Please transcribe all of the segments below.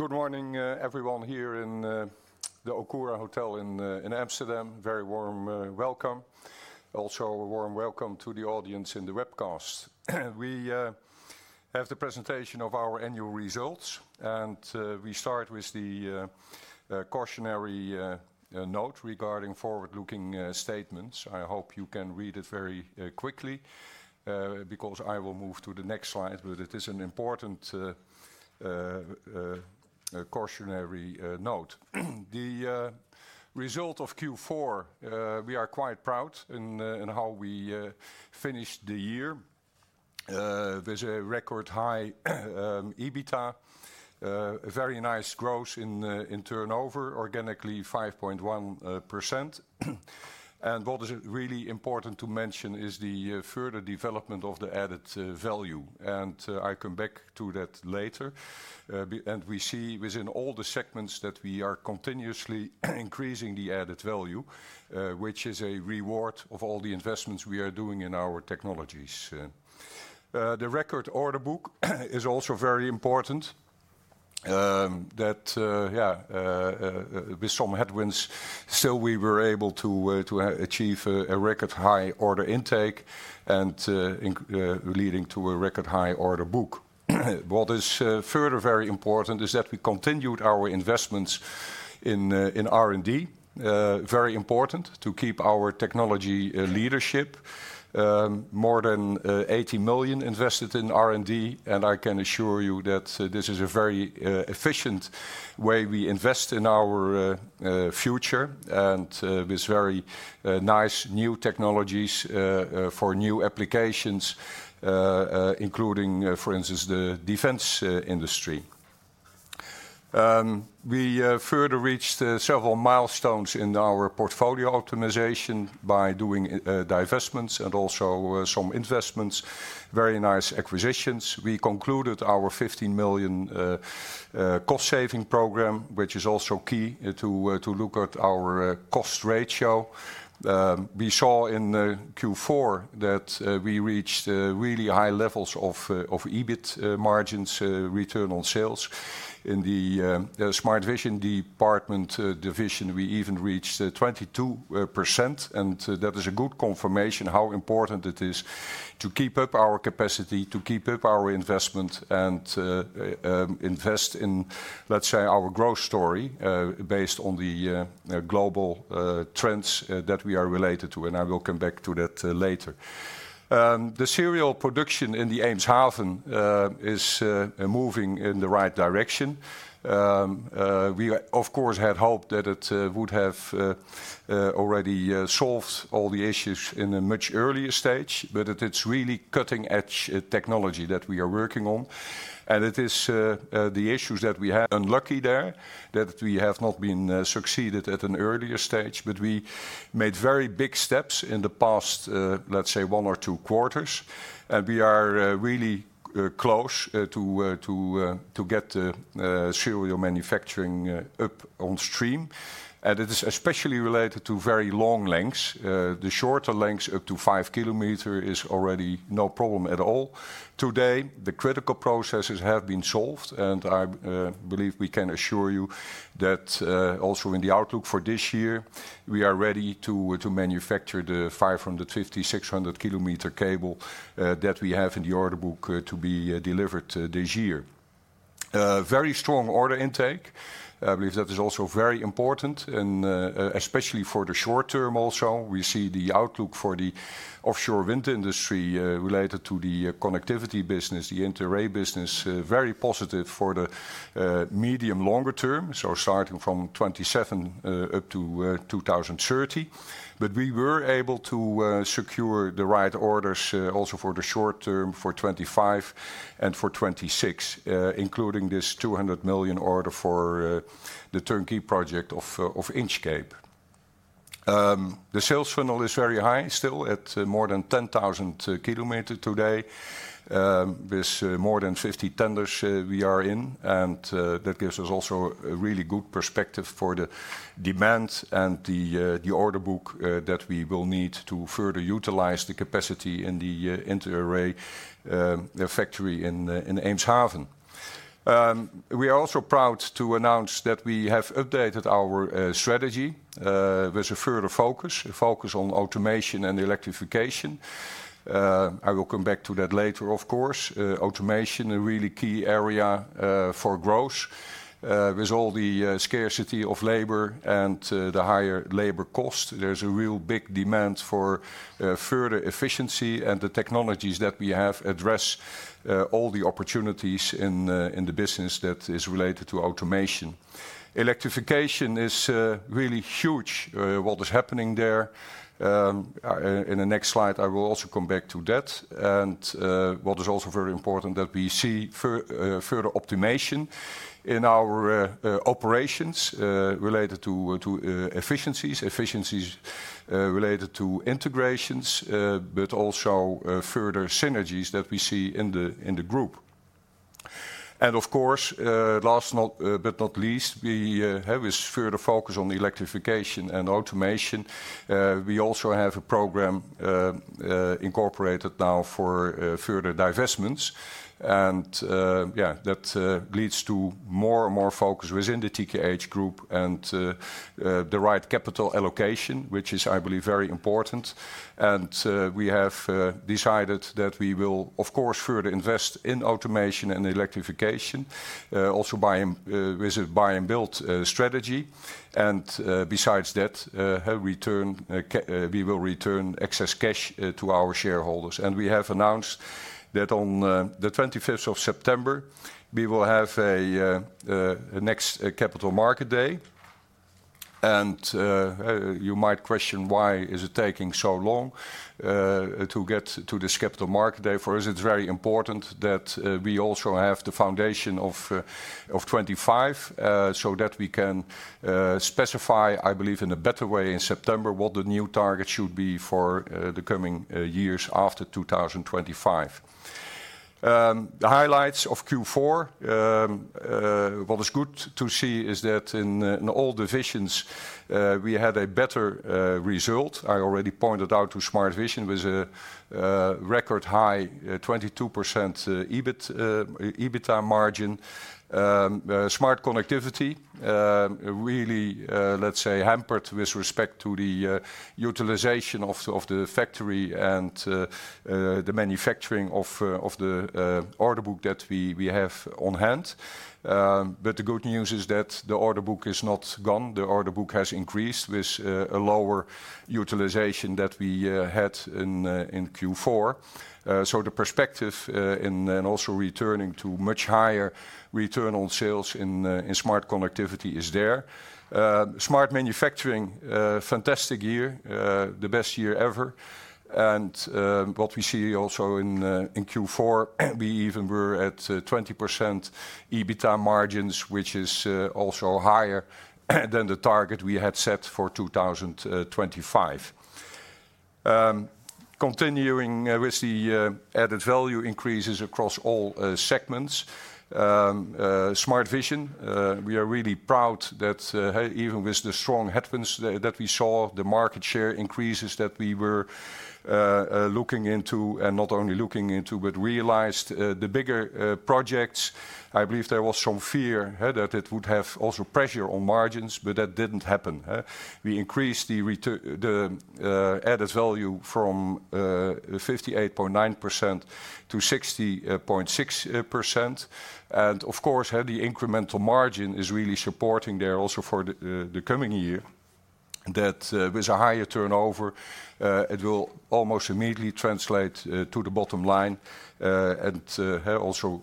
Good morning, everyone here in the Okura Hotel in Amsterdam. Very warm welcome. Also, a warm welcome to the audience in the webcast. We have the presentation of our annual results, and we start with the cautionary note regarding forward-looking statements. I hope you can read it very quickly because I will move to the next slide, but it is an important cautionary note. The result of Q4, we are quite proud in how we finished the year with a record high EBITDA, a very nice growth in turnover, organically 5.1%. What is really important to mention is the further development of the added value. I come back to that later. We see within all the segments that we are continuously increasing the added value, which is a reward of all the investments we are doing in our technologies. The record order book is also very important that, yeah, with some headwinds, still we were able to achieve a record high order intake and leading to a record high order book. What is further very important is that we continued our investments in R&D. Very important to keep our technology leadership. More than 80 million invested in R&D, and I can assure you that this is a very efficient way we invest in our future and with very nice new technologies for new applications, including, for instance, the defense industry. We further reached several milestones in our portfolio optimization by doing divestments and also some investments, very nice acquisitions. We concluded our 15 million cost saving program, which is also key to look at our cost ratio. We saw in Q4 that we reached really high levels of EBIT margins, return on sales. In the smart vision division, we even reached 22%, and that is a good confirmation of how important it is to keep up our capacity, to keep up our investment, and invest in, let's say, our growth story based on the global trends that we are related to. I will come back to that later. The serial production in the Eemshaven is moving in the right direction. We, of course, had hoped that it would have already solved all the issues at a much earlier stage, but it is really cutting-edge technology that we are working on. It is the issues that we. Unlucky there that we have not been succeeded at an earlier stage, but we made very big steps in the past, let's say, one or two quarters. We are really close to get the serial manufacturing up on stream. It is especially related to very long lengths. The shorter lengths up to 5 km is already no problem at all. Today, the critical processes have been solved, and I believe we can assure you that also in the outlook for this year, we are ready to manufacture the 550, 600 km cable that we have in the order book to be delivered this year. Very strong order intake. I believe that is also very important, especially for the short term also. We see the outlook for the offshore wind industry related to the connectivity business, the inter-array business, very positive for the medium-longer term, starting from 2027 up to 2030. We were able to secure the right orders also for the short term for 2025 and for 2026, including this 200 million order for the turnkey project of Inchcape. The sales funnel is very high still at more than 10,000 km today with more than 50 tenders we are in, and that gives us also a really good perspective for the demand and the order book that we will need to further utilize the capacity in the inter-array factory in Eemshaven. We are also proud to announce that we have updated our strategy with a further focus, a focus on automation and electrification. I will come back to that later, of course. Automation, a really key area for growth with all the scarcity of labor and the higher labor cost. There's a real big demand for further efficiency, and the technologies that we have address all the opportunities in the business that is related to automation. Electrification is really huge what is happening there. In the next slide, I will also come back to that. What is also very important is that we see further optimization in our operations related to efficiencies, efficiencies related to integrations, but also further synergies that we see in the group. Of course, last but not least, we have this further focus on electrification and automation. We also have a program incorporated now for further divestments. That leads to more and more focus within the TKH Group and the right capital allocation, which is, I believe, very important. We have decided that we will, of course, further invest in automation and electrification also with a buy-and-build strategy. Besides that, we will return excess cash to our shareholders. We have announced that on the 25th of September, we will have a next capital market day. You might question why it is taking so long to get to this capital market day. For us, it's very important that we also have the foundation of 2025 so that we can specify, I believe, in a better way in September what the new target should be for the coming years after 2025. The highlights of Q4, what is good to see is that in all divisions, we had a better result. I already pointed out to smart vision with a record high 22% EBITDA margin. Smart connectivity really, let's say, hampered with respect to the utilization of the factory and the manufacturing of the order book that we have on hand. The good news is that the order book is not gone. The order book has increased with a lower utilization that we had in Q4. The perspective in also returning to much higher return on sales in smart connectivity is there. Smart manufacturing, fantastic year, the best year ever. What we see also in Q4, we even were at 20% EBITDA margins, which is also higher than the target we had set for 2025. Continuing with the added value increases across all segments, smart vision, we are really proud that even with the strong headwinds that we saw, the market share increases that we were looking into and not only looking into, but realized the bigger projects. I believe there was some fear that it would have also pressure on margins, but that did not happen. We increased the added value from 58.9%-60.6%. Of course, the incremental margin is really supporting there also for the coming year that with a higher turnover, it will almost immediately translate to the bottom line. Also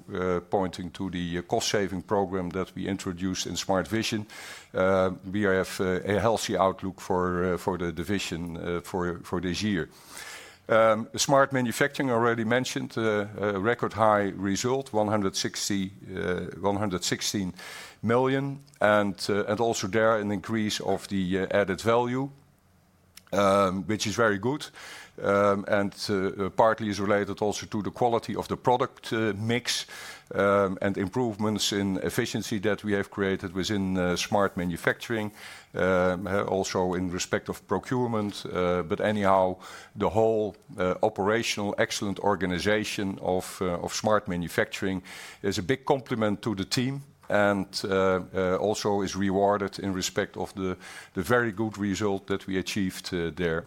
pointing to the cost saving program that we introduced in smart vision, we have a healthy outlook for the vision for this year. Smart manufacturing already mentioned a record high result, 116 million. Also there an increase of the added value, which is very good. Partly is related also to the quality of the product mix and improvements in efficiency that we have created within smart manufacturing, also in respect of procurement. Anyhow, the whole operational excellent organization of smart manufacturing is a big compliment to the team and also is rewarded in respect of the very good result that we achieved there.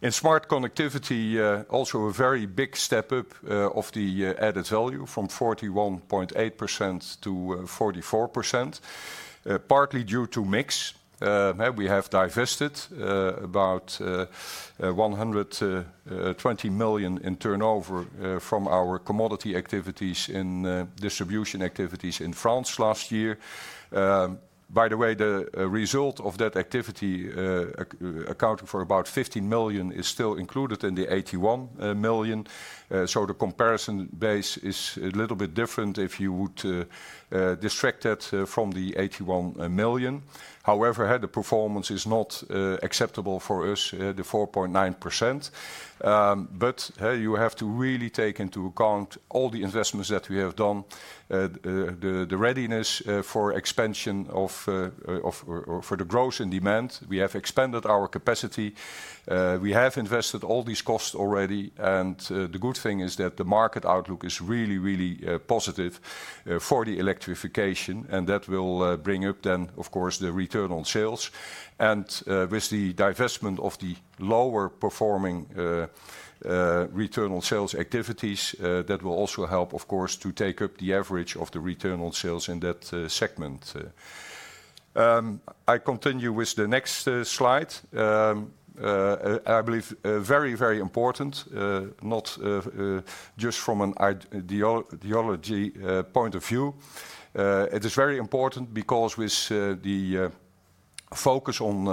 In smart connectivity, also a very big step up of the added value from 41.8%-44%, partly due to mix. We have divested about 120 million in turnover from our commodity activities in distribution activities in France last year. By the way, the result of that activity accounting for about 15 million is still included in the 81 million. The comparison base is a little bit different if you would distract that from the 81 million. However, the performance is not acceptable for us, the 4.9%. You have to really take into account all the investments that we have done, the readiness for expansion of the growth and demand. We have expanded our capacity. We have invested all these costs already. The good thing is that the market outlook is really, really positive for the electrification. That will bring up then, of course, the return on sales. With the divestment of the lower performing return on sales activities, that will also help, of course, to take up the average of the return on sales in that segment. I continue with the next slide. I believe very, very important, not just from an ideology point of view. It is very important because with the focus on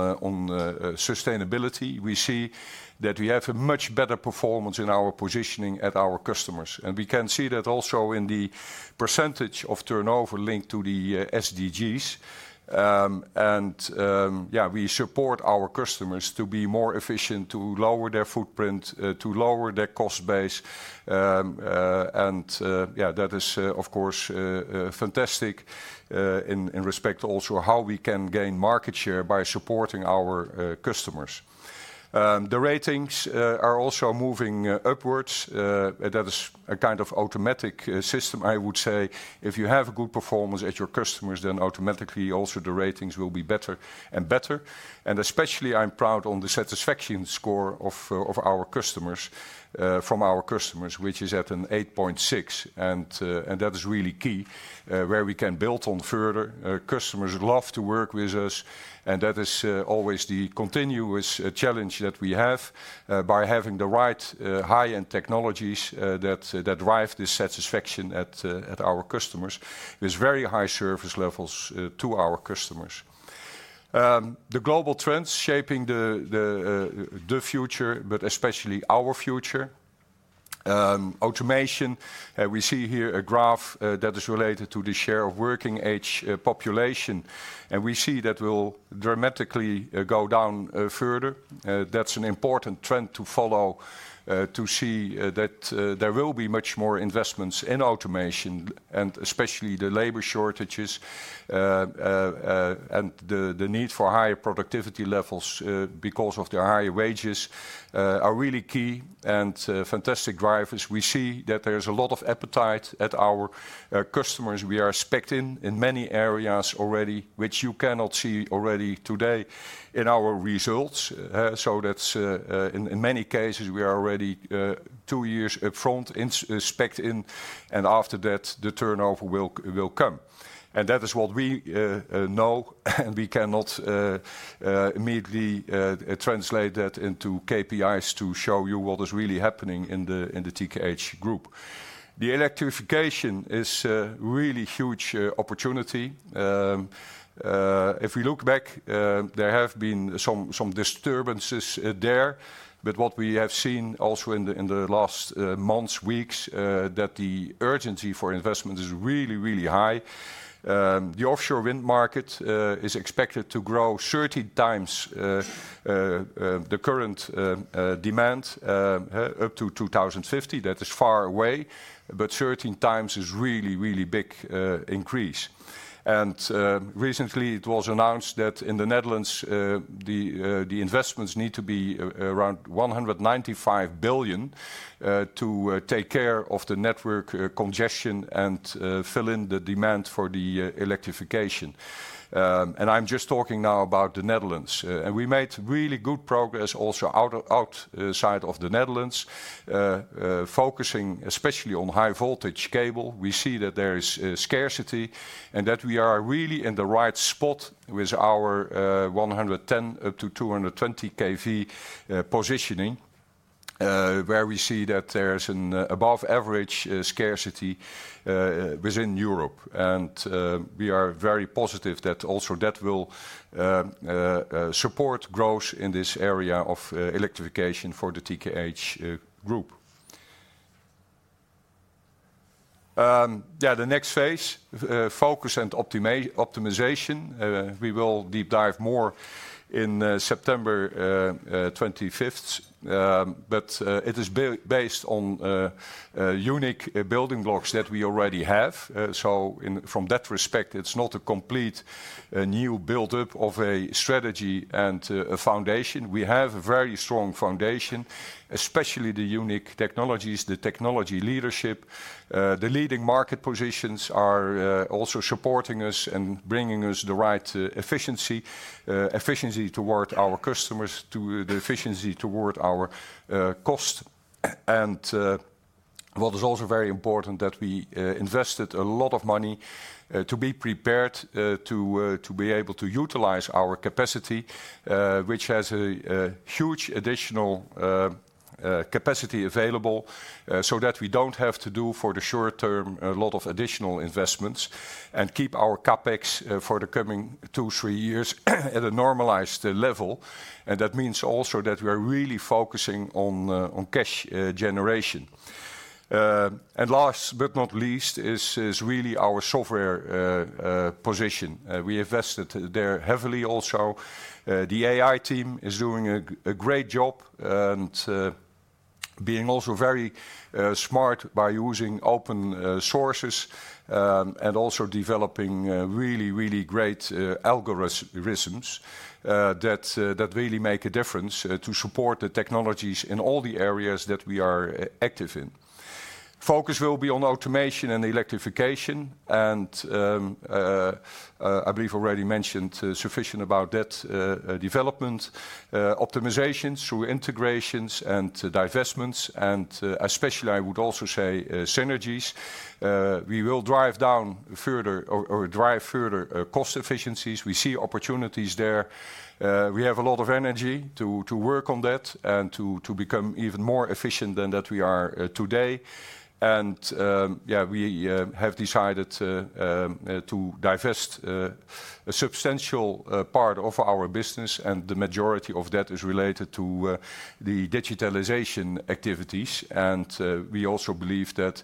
sustainability, we see that we have a much better performance in our positioning at our customers. We can see that also in the % of turnover linked to the SDGs. Yeah, we support our customers to be more efficient, to lower their footprint, to lower their cost base. Yeah, that is, of course, fantastic in respect to also how we can gain market share by supporting our customers. The ratings are also moving upwards. That is a kind of automatic system, I would say. If you have good performance at your customers, then automatically also the ratings will be better and better. Especially I'm proud on the satisfaction score of our customers, from our customers, which is at an 8.6. That is really key where we can build on further. Customers love to work with us. That is always the continuous challenge that we have by having the right high-end technologies that drive this satisfaction at our customers with very high service levels to our customers. The global trends shaping the future, but especially our future. Automation, we see here a graph that is related to the share of working age population. We see that will dramatically go down further. That is an important trend to follow to see that there will be much more investments in automation and especially the labor shortages and the need for higher productivity levels because of the higher wages are really key and fantastic drivers. We see that there is a lot of appetite at our customers. We are specced in in many areas already, which you cannot see already today in our results. In many cases, we are already two years upfront in specced in. After that, the turnover will come. That is what we know. We cannot immediately translate that into KPIs to show you what is really happening in the TKH Group. The electrification is a really huge opportunity. If we look back, there have been some disturbances there. What we have seen also in the last months, weeks, is that the urgency for investment is really, really high. The offshore wind market is expected to grow 13 times the current demand up to 2050. That is far away. Thirteen times is a really, really big increase. Recently, it was announced that in the Netherlands, the investments need to be around 195 billion to take care of the network congestion and fill in the demand for the electrification. I am just talking now about the Netherlands. We made really good progress also outside of the Netherlands, focusing especially on high voltage cable. We see that there is scarcity and that we are really in the right spot with our 110 kv-220 kv positioning, where we see that there is an above-average scarcity within Europe. We are very positive that also that will support growth in this area of electrification for the TKH Group. The next phase, focus and optimization. We will deep dive more in September 25th. It is based on unique building blocks that we already have. From that respect, it is not a complete new build-up of a strategy and a foundation. We have a very strong foundation, especially the unique technologies, the technology leadership. The leading market positions are also supporting us and bringing us the right efficiency, efficiency toward our customers, to the efficiency toward our cost. What is also very important is that we invested a lot of money to be prepared to be able to utilize our capacity, which has a huge additional capacity available so that we do not have to do for the short term a lot of additional investments and keep our CapEx for the coming two-three years at a normalized level. That means also that we are really focusing on cash generation. Last but not least is really our software position. We invested there heavily also. The AI team is doing a great job and being also very smart by using open sources and also developing really, really great algorithms that really make a difference to support the technologies in all the areas that we are active in. Focus will be on automation and electrification. I believe I already mentioned sufficient about that development, optimizations, through integrations and divestments. Especially, I would also say synergies. We will drive down further or drive further cost efficiencies. We see opportunities there. We have a lot of energy to work on that and to become even more efficient than that we are today. We have decided to divest a substantial part of our business. The majority of that is related to the digitalization activities. We also believe that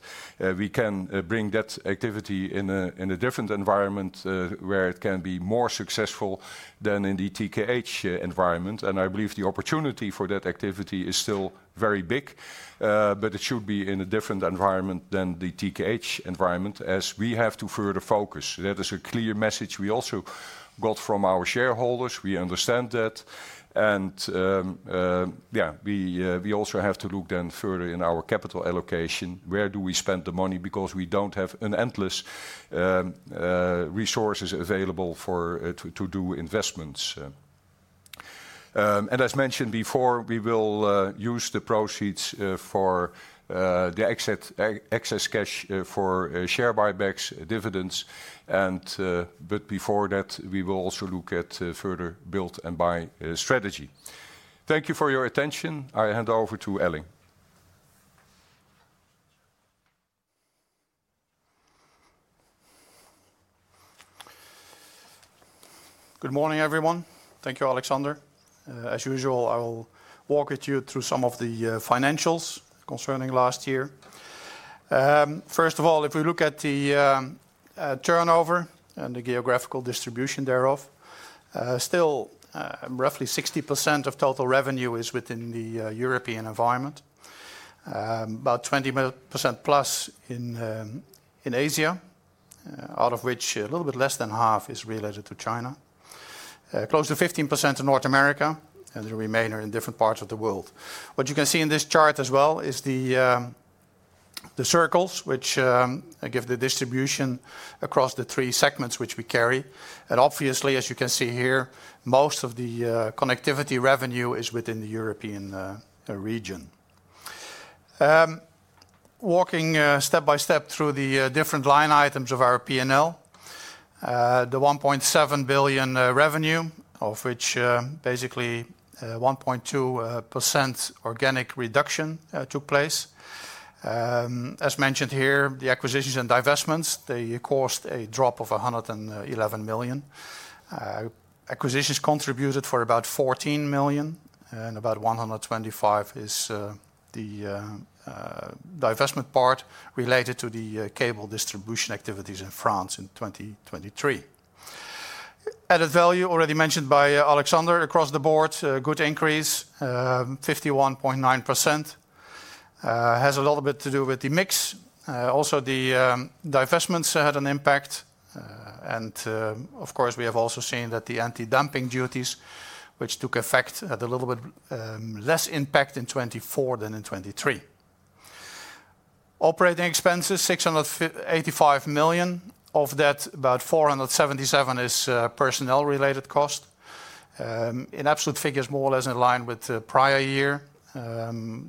we can bring that activity in a different environment where it can be more successful than in the TKH environment. I believe the opportunity for that activity is still very big. It should be in a different environment than the TKH environment as we have to further focus. That is a clear message we also got from our shareholders. We understand that. We also have to look then further in our capital allocation. Where do we spend the money? Because we do not have endless resources available to do investments. As mentioned before, we will use the proceeds for the excess cash for share buybacks, dividends. Before that, we will also look at further build and buy strategy. Thank you for your attention. I hand over to Elling. Good morning, everyone. Thank you, Alexander. As usual, I will walk you through some of the financials concerning last year. First of all, if we look at the turnover and the geographical distribution thereof, still roughly 60% of total revenue is within the European environment, about 20%+ in Asia, out of which a little bit less than half is related to China, close to 15% in North America and the remainder in different parts of the world. What you can see in this chart as well is the circles, which give the distribution across the three segments which we carry. Obviously, as you can see here, most of the connectivity revenue is within the European region. Walking step by step through the different line items of our P&L, the 1.7 billion revenue, of which basically 1.2% organic reduction took place. As mentioned here, the acquisitions and divestments, they caused a drop of 111 million. Acquisitions contributed for about 14 million. And about 125 million is the divestment part related to the cable distribution activities in France in 2023. Added value already mentioned by Alexander across the board, good increase, 51.9%. Has a little bit to do with the mix. Also, the divestments had an impact. Of course, we have also seen that the anti-dumping duties, which took effect, had a little bit less impact in 2024 than in 2023. Operating expenses, 685 million. Of that, about 477 million is personnel-related cost. In absolute figures, more or less in line with the prior year.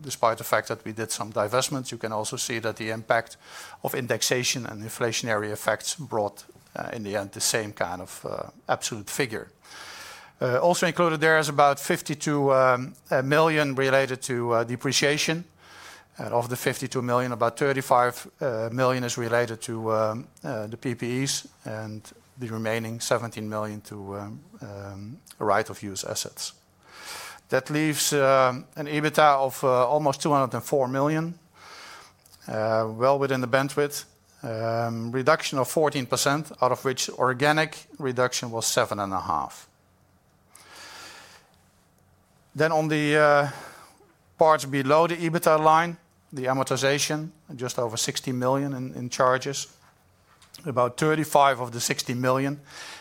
Despite the fact that we did some divestments, you can also see that the impact of indexation and inflationary effects brought in the end the same kind of absolute figure. Also included there is about 52 million related to depreciation. Of the 52 million, about 35 million is related to the PPEs and the remaining 17 million to right-of-use assets. That leaves an EBITDA of almost 204 million, well within the bandwidth. Reduction of 14%, out of which organic reduction was 7.5%. On the parts below the EBITDA line, the amortization, just over 60 million in charges. About 35 million of the 60 million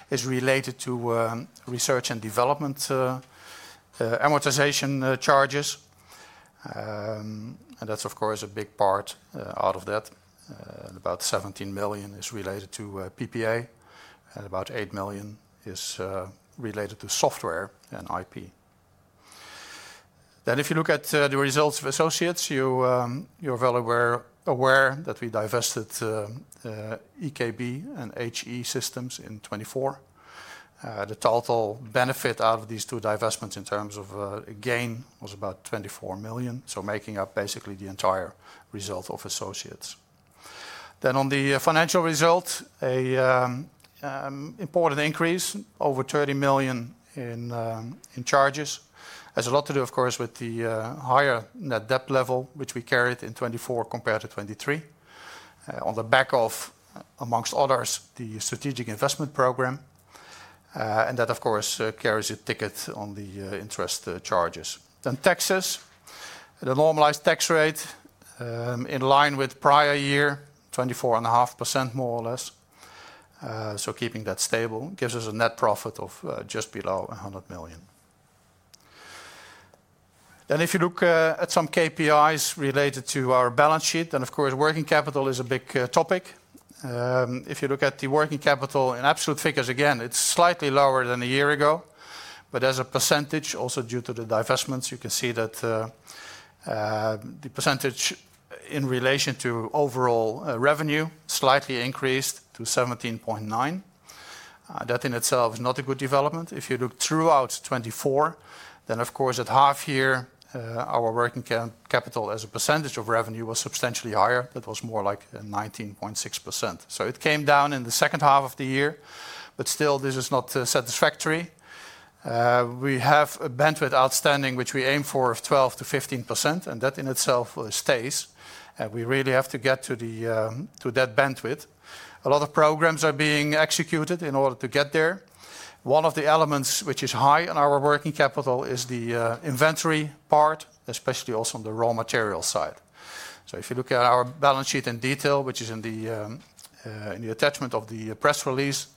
is related to research and development amortization charges. That is, of course, a big part out of that. About 17 million is related to PPA. About 8 million is related to software and IP. If you look at the results of associates, you are well aware that we divested EKB and HE Systems in 2024. The total benefit out of these two divestments in terms of gain was about 24 million, making up basically the entire result of associates. On the financial result, an important increase, over 30 million in charges, has a lot to do, of course, with the higher net debt level, which we carried in 2024 compared to 2023. On the back of, amongst others, the strategic investment program. That, of course, carries a ticket on the interest charges. Taxes, the normalized tax rate in line with prior year, 24.5% more or less. Keeping that stable gives us a net profit of just below 100 million. If you look at some KPIs related to our balance sheet, working capital is a big topic. If you look at the working capital in absolute figures, again, it is slightly lower than a year ago. As a percentage, also due to the divestments, you can see that the percentage in relation to overall revenue slightly increased to 17.9%. That in itself is not a good development. If you look throughout 2024, then of course, at half year, our working capital as a percentage of revenue was substantially higher. That was more like 19.6%. It came down in the second half of the year. Still, this is not satisfactory. We have a bandwidth outstanding, which we aim for of 12%-15%. That in itself stays. We really have to get to that bandwidth. A lot of programs are being executed in order to get there. One of the elements which is high on our working capital is the inventory part, especially also on the raw material side. If you look at our balance sheet in detail, which is in the attachment of the press release,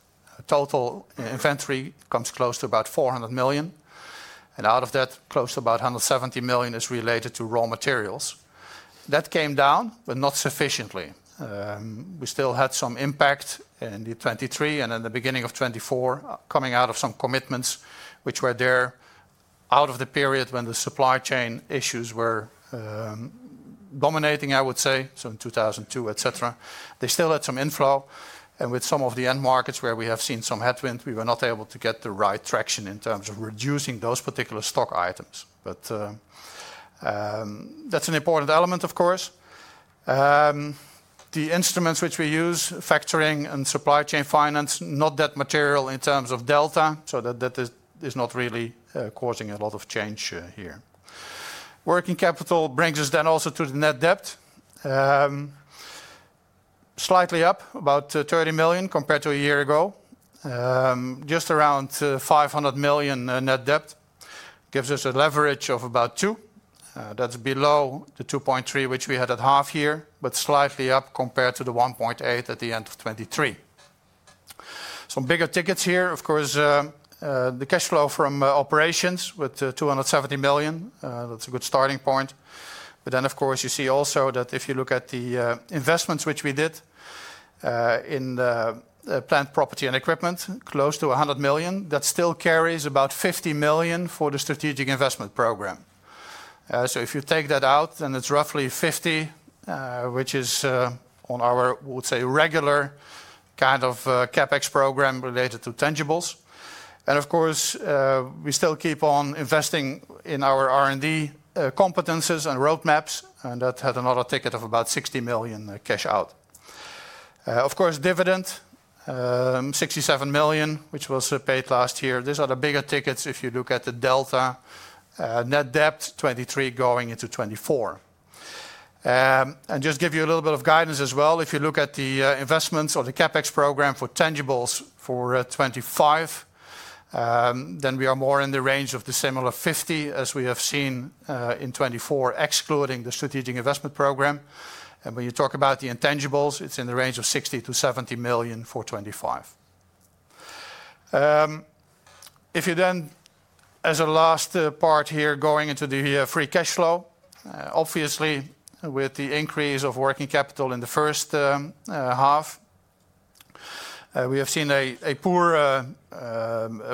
total inventory comes close to about 400 million. Out of that, close to about 170 million is related to raw materials. That came down, but not sufficiently. We still had some impact in 2023 and in the beginning of 2024 coming out of some commitments which were there out of the period when the supply chain issues were dominating, I would say. In 2022, etc. they still had some inflow. With some of the end markets where we have seen some headwinds, we were not able to get the right traction in terms of reducing those particular stock items. That is an important element, of course. The instruments which we use, factoring and supply chain finance, are not that material in terms of delta. That is not really causing a lot of change here. Working capital brings us then also to the net debt. Slightly up, about 30 million compared to a year ago. Just around 500 million net debt gives us a leverage of about 2. That's below the 2.3 which we had at half year, but slightly up compared to the 1.8 at the end of 2023. Some bigger tickets here, of course, the cash flow from operations with 270 million. That's a good starting point. Of course, you see also that if you look at the investments which we did in plant property and equipment, close to 100 million, that still carries about 50 million for the strategic investment program. If you take that out, then it's roughly 50 million, which is on our, we would say, regular kind of CapEx program related to tangibles. Of course, we still keep on investing in our R&D competences and roadmaps. That had another ticket of about 60 million cash out. Of course, dividend, 67 million, which was paid last year. These are the bigger tickets if you look at the delta, net debt 2023 going into 2024. Just give you a little bit of guidance as well. If you look at the investments or the CapEx program for tangibles for 2025, then we are more in the range of the similar 50 million as we have seen in 2024, excluding the strategic investment program. When you talk about the intangibles, it is in the range of 60 million-70 million for 2025. If you then, as a last part here going into the free cash flow, obviously with the increase of working capital in the first half, we have seen a poor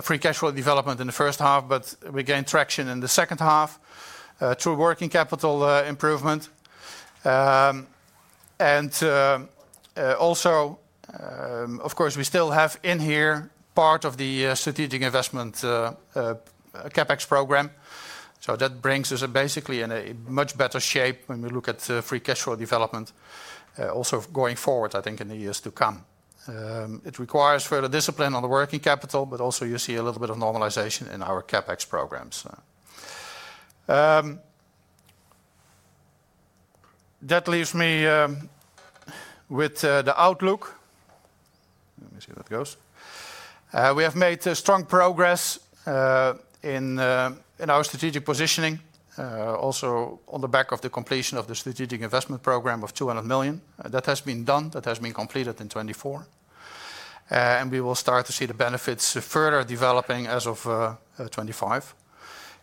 free cash flow development in the first half, but we gained traction in the second half through working capital improvement. Of course, we still have in here part of the strategic investment CapEx program. That brings us basically in a much better shape when we look at free cash flow development, also going forward, I think, in the years to come. It requires further discipline on the working capital, but also you see a little bit of normalization in our CapEx programs. That leaves me with the outlook. Let me see how that goes. We have made strong progress in our strategic positioning, also on the back of the completion of the strategic investment program of 200 million. That has been done. That has been completed in 2024. We will start to see the benefits further developing as of 2025.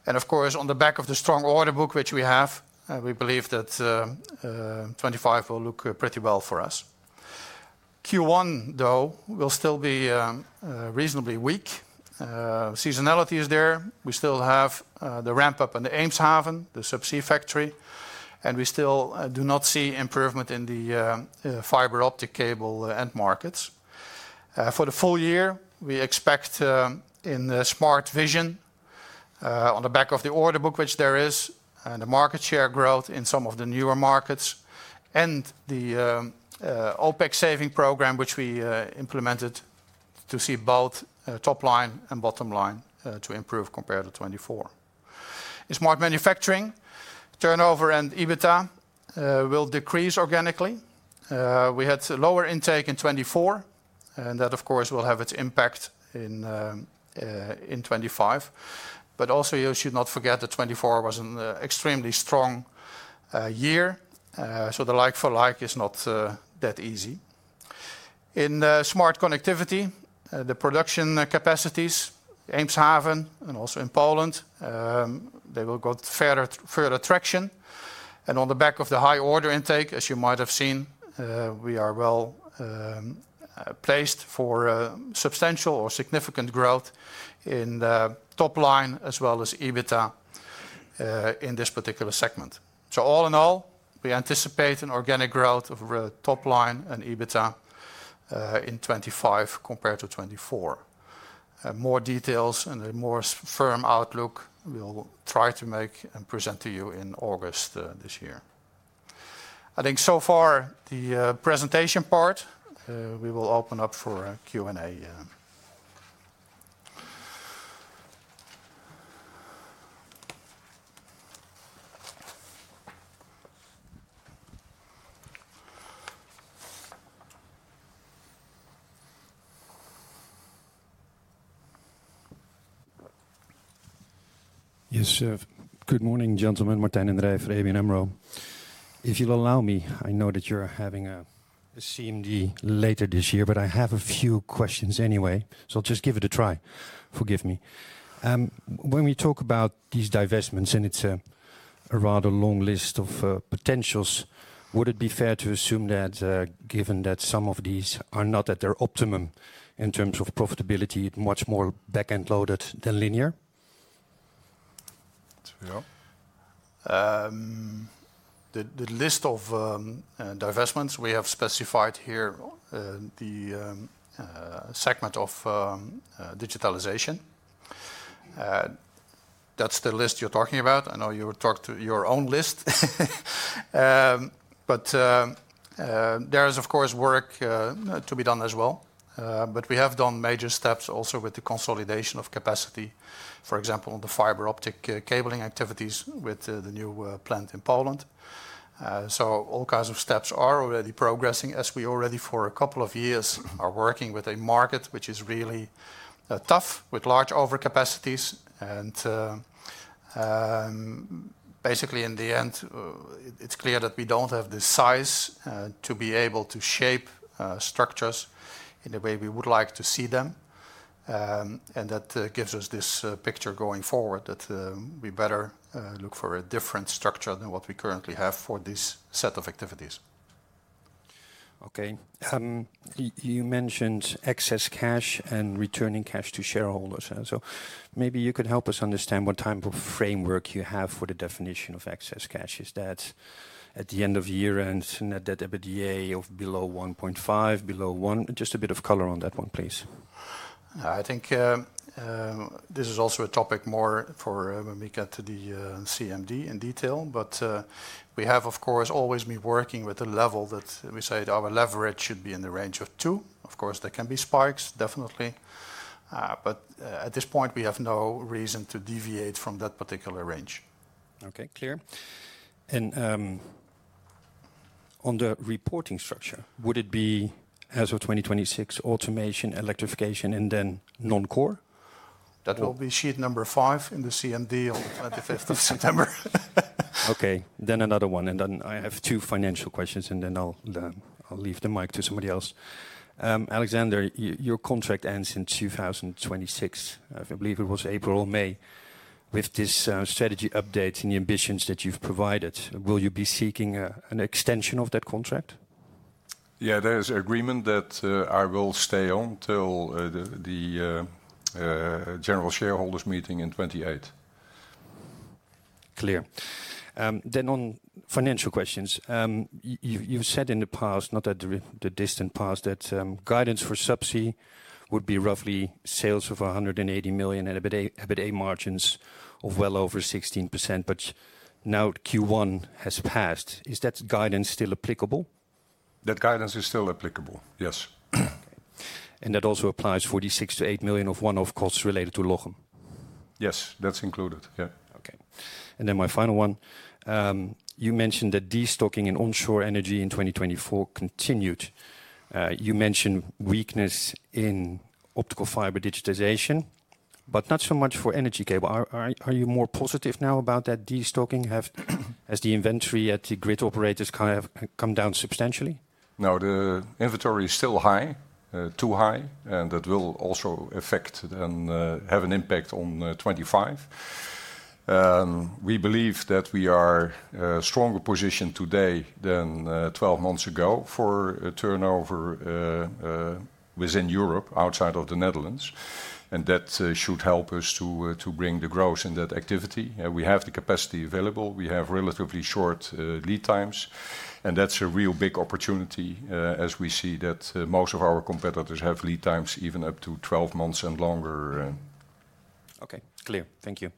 Of course, on the back of the strong order book which we have, we believe that 2025 will look pretty well for us. Q1, though, will still be reasonably weak. Seasonality is there. We still have the ramp-up on the Eemshaven, the subsea factory. We still do not see improvement in the fiber optic cable end markets. For the full year, we expect in smart vision on the back of the order book which there is, and the market share growth in some of the newer markets, and the OpEx saving program which we implemented to see both top line and bottom line to improve compared to 2024. In smart manufacturing, turnover and EBITDA will decrease organically. We had lower intake in 2024. That, of course, will have its impact in 2025. You should not forget that 2024 was an extremely strong year. The like-for-like is not that easy. In smart connectivity, the production capacities, Eemshaven, and also in Poland, they will get further traction. On the back of the high order intake, as you might have seen, we are well placed for substantial or significant growth in the top line as well as EBITDA in this particular segment. All in all, we anticipate an organic growth of top line and EBITDA in 2025 compared to 2024. More details and a more firm outlook we will try to make and present to you in August this year. I think so far the presentation part, we will open up for Q&A. Yes, good morning, gentlemen. Martijn den Drijver for ABN AMRO. If you'll allow me, I know that you're having a CMD later this year, but I have a few questions anyway. I'll just give it a try. Forgive me. When we talk about these divestments and it's a rather long list of potentials, would it be fair to assume that given that some of these are not at their optimum in terms of profitability, much more back-end loaded than linear? The list of divestments we have specified here, the segment of digitalization. That's the list you're talking about. I know you talked to your own list. There is, of course, work to be done as well. We have done major steps also with the consolidation of capacity, for example, the fiber optic cabling activities with the new plant in Poland. All kinds of steps are already progressing as we already for a couple of years are working with a market which is really tough with large overcapacities. Basically in the end, it's clear that we don't have the size to be able to shape structures in the way we would like to see them. That gives us this picture going forward that we better look for a different structure than what we currently have for this set of activities. Okay. You mentioned excess cash and returning cash to shareholders. Maybe you could help us understand what type of framework you have for the definition of excess cash. Is that at the end of year and net debt at the year of below 1.5, below 1? Just a bit of color on that one, please. I think this is also a topic more for when we get to the CMD in detail. We have, of course, always been working with the level that we say our leverage should be in the range of 2. Of course, there can be spikes, definitely. At this point, we have no reason to deviate from that particular range. Okay, clear. On the reporting structure, would it be as of 2026, automation, electrification, and then non-core? That will be sheet number 5 in the CMD on the 25th of September. Okay, another one. I have two financial questions, and then I'll leave the mic to somebody else. Alexander, your contract ends in 2026. I believe it was April or May. With this strategy update and the ambitions that you've provided, will you be seeking an extension of that contract? Yeah, there is an agreement that I will stay on till the general shareholders meeting in 2028. Clear. On financial questions, you've said in the past, not in the distant past, that guidance for subsea would be roughly sales of 180 million and EBITDA margins of well over 16%. Now Q1 has passed. Is that guidance still applicable? That guidance is still applicable, yes. That also applies for the 6 million-8 million of one-off costs related to Lochem? Yes, that's included, yeah. Okay. My final one. You mentioned that destocking in onshore energy in 2024 continued. You mentioned weakness in optical fiber digitization, but not so much for energy cable. Are you more positive now about that destocking as the inventory at the grid operators has come down substantially? No, the inventory is still high, too high. That will also affect and have an impact on 2025. We believe that we are stronger positioned today than 12 months ago for turnover within Europe, outside of the Netherlands. That should help us to bring the growth in that activity. We have the capacity available. We have relatively short lead times. That is a real big opportunity as we see that most of our competitors have lead times even up to 12 months and longer. Okay, clear. Thank you.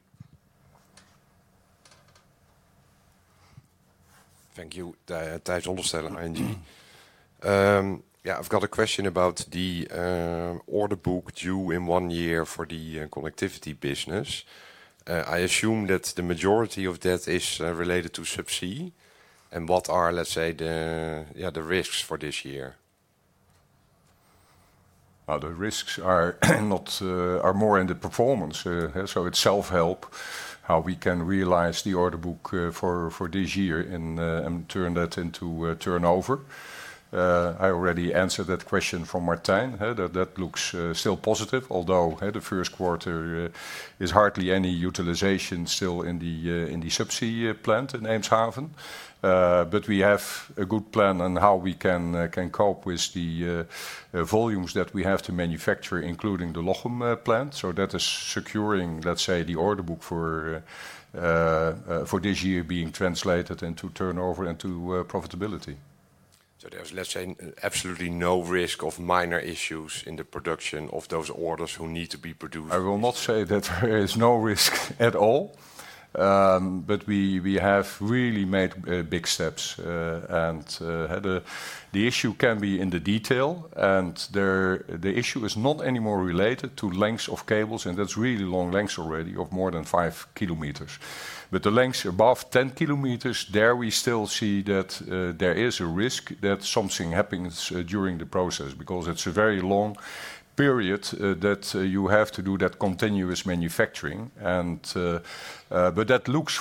Thank you, Tijs Hollestelle, ING. Yeah, I have got a question about the order book due in one year for the connectivity business. I assume that the majority of that is related to subsea. What are, let's say, the risks for this year? The risks are more in the performance. It is self-help, how we can realize the order book for this year and turn that into turnover. I already answered that question for Martijn. That looks still positive, although the first quarter is hardly any utilization still in the subsea plant in Eemshaven. We have a good plan on how we can cope with the volumes that we have to manufacture, including the Lochem plant. That is securing, let's say, the order book for this year being translated into turnover and to profitability. There's, let's say, absolutely no risk of minor issues in the production of those orders who need to be produced? I will not say that there is no risk at all. We have really made big steps. The issue can be in the detail. The issue is not anymore related to lengths of cables. That's really long lengths already of more than 5 km. The lengths above 10 km, there we still see that there is a risk that something happens during the process because it's a very long period that you have to do that continuous manufacturing. That looks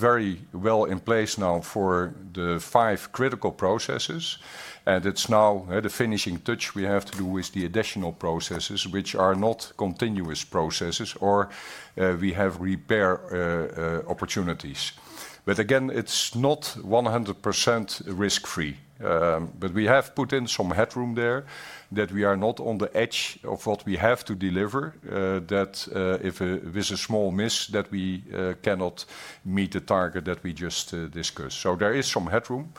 very well in place now for the five critical processes. It is now the finishing touch we have to do with the additional processes, which are not continuous processes or we have repair opportunities. Again, it's not 100% risk-free. We have put in some headroom there that we are not on the edge of what we have to deliver, that if there's a small miss that we cannot meet the target that we just discussed. There is some headroom,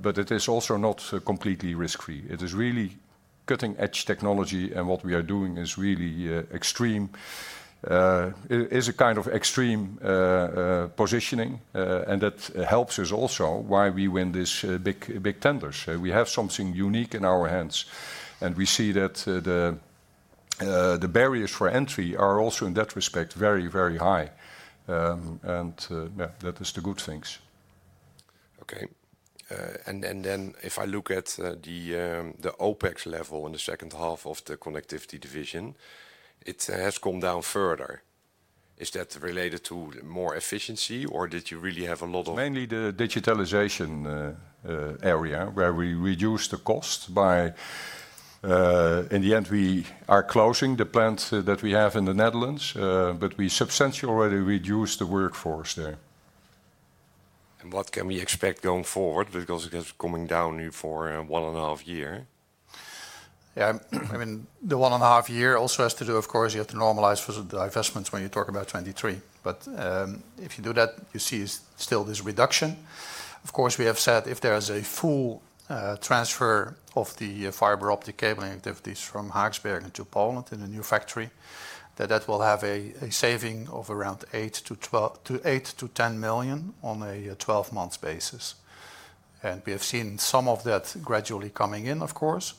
but it is also not completely risk-free. It is really cutting-edge technology. What we are doing is really extreme. It is a kind of extreme positioning. That helps us also why we win these big tenders. We have something unique in our hands. We see that the barriers for entry are also in that respect very, very high. That is the good things. Okay. If I look at the OpEx level in the second half of the connectivity division, it has come down further. Is that related to more efficiency or did you really have a lot of— mainly the digitalization area where we reduced the cost. In the end, we are closing the plant that we have in the Netherlands, but we substantially already reduced the workforce there. What can we expect going forward because it has been coming down for one and a half years? Yeah, I mean, the one and a half years also has to do, of course, you have to normalize for the divestments when you talk about 2023. If you do that, you see still this reduction. Of course, we have said if there is a full transfer of the fiber optic cabling activities from Haaksbergen to Poland in a new factory, that that will have a saving of around 8 million-10 million on a 12-month basis. We have seen some of that gradually coming in, of course.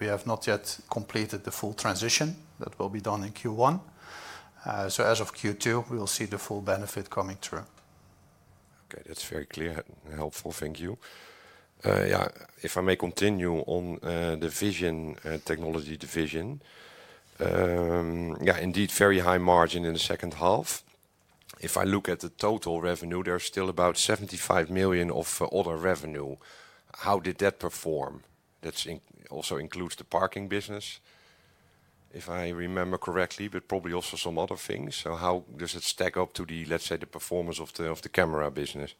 We have not yet completed the full transition; that will be done in Q1. As of Q2, we will see the full benefit coming through. Okay, that's very clear and helpful. Thank you. Yeah, if I may continue on the vision technology division. Yeah, indeed, very high margin in the second half. If I look at the total revenue, there's still about 75 million of order revenue. How did that perform? That also includes the parking business, if I remember correctly, but probably also some other things. How does it stack up to the, let's say, the performance of the camera business?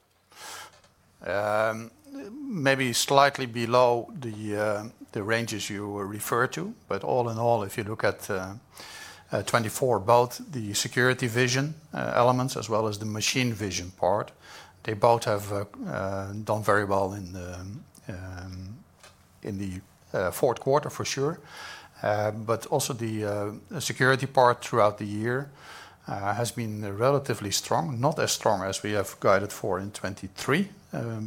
Maybe slightly below the ranges you referred to. All in all, if you look at 2024, both the security vision elements as well as the machine vision part, they both have done very well in the fourth quarter, for sure. Also, the security part throughout the year has been relatively strong, not as strong as we have guided for in 2023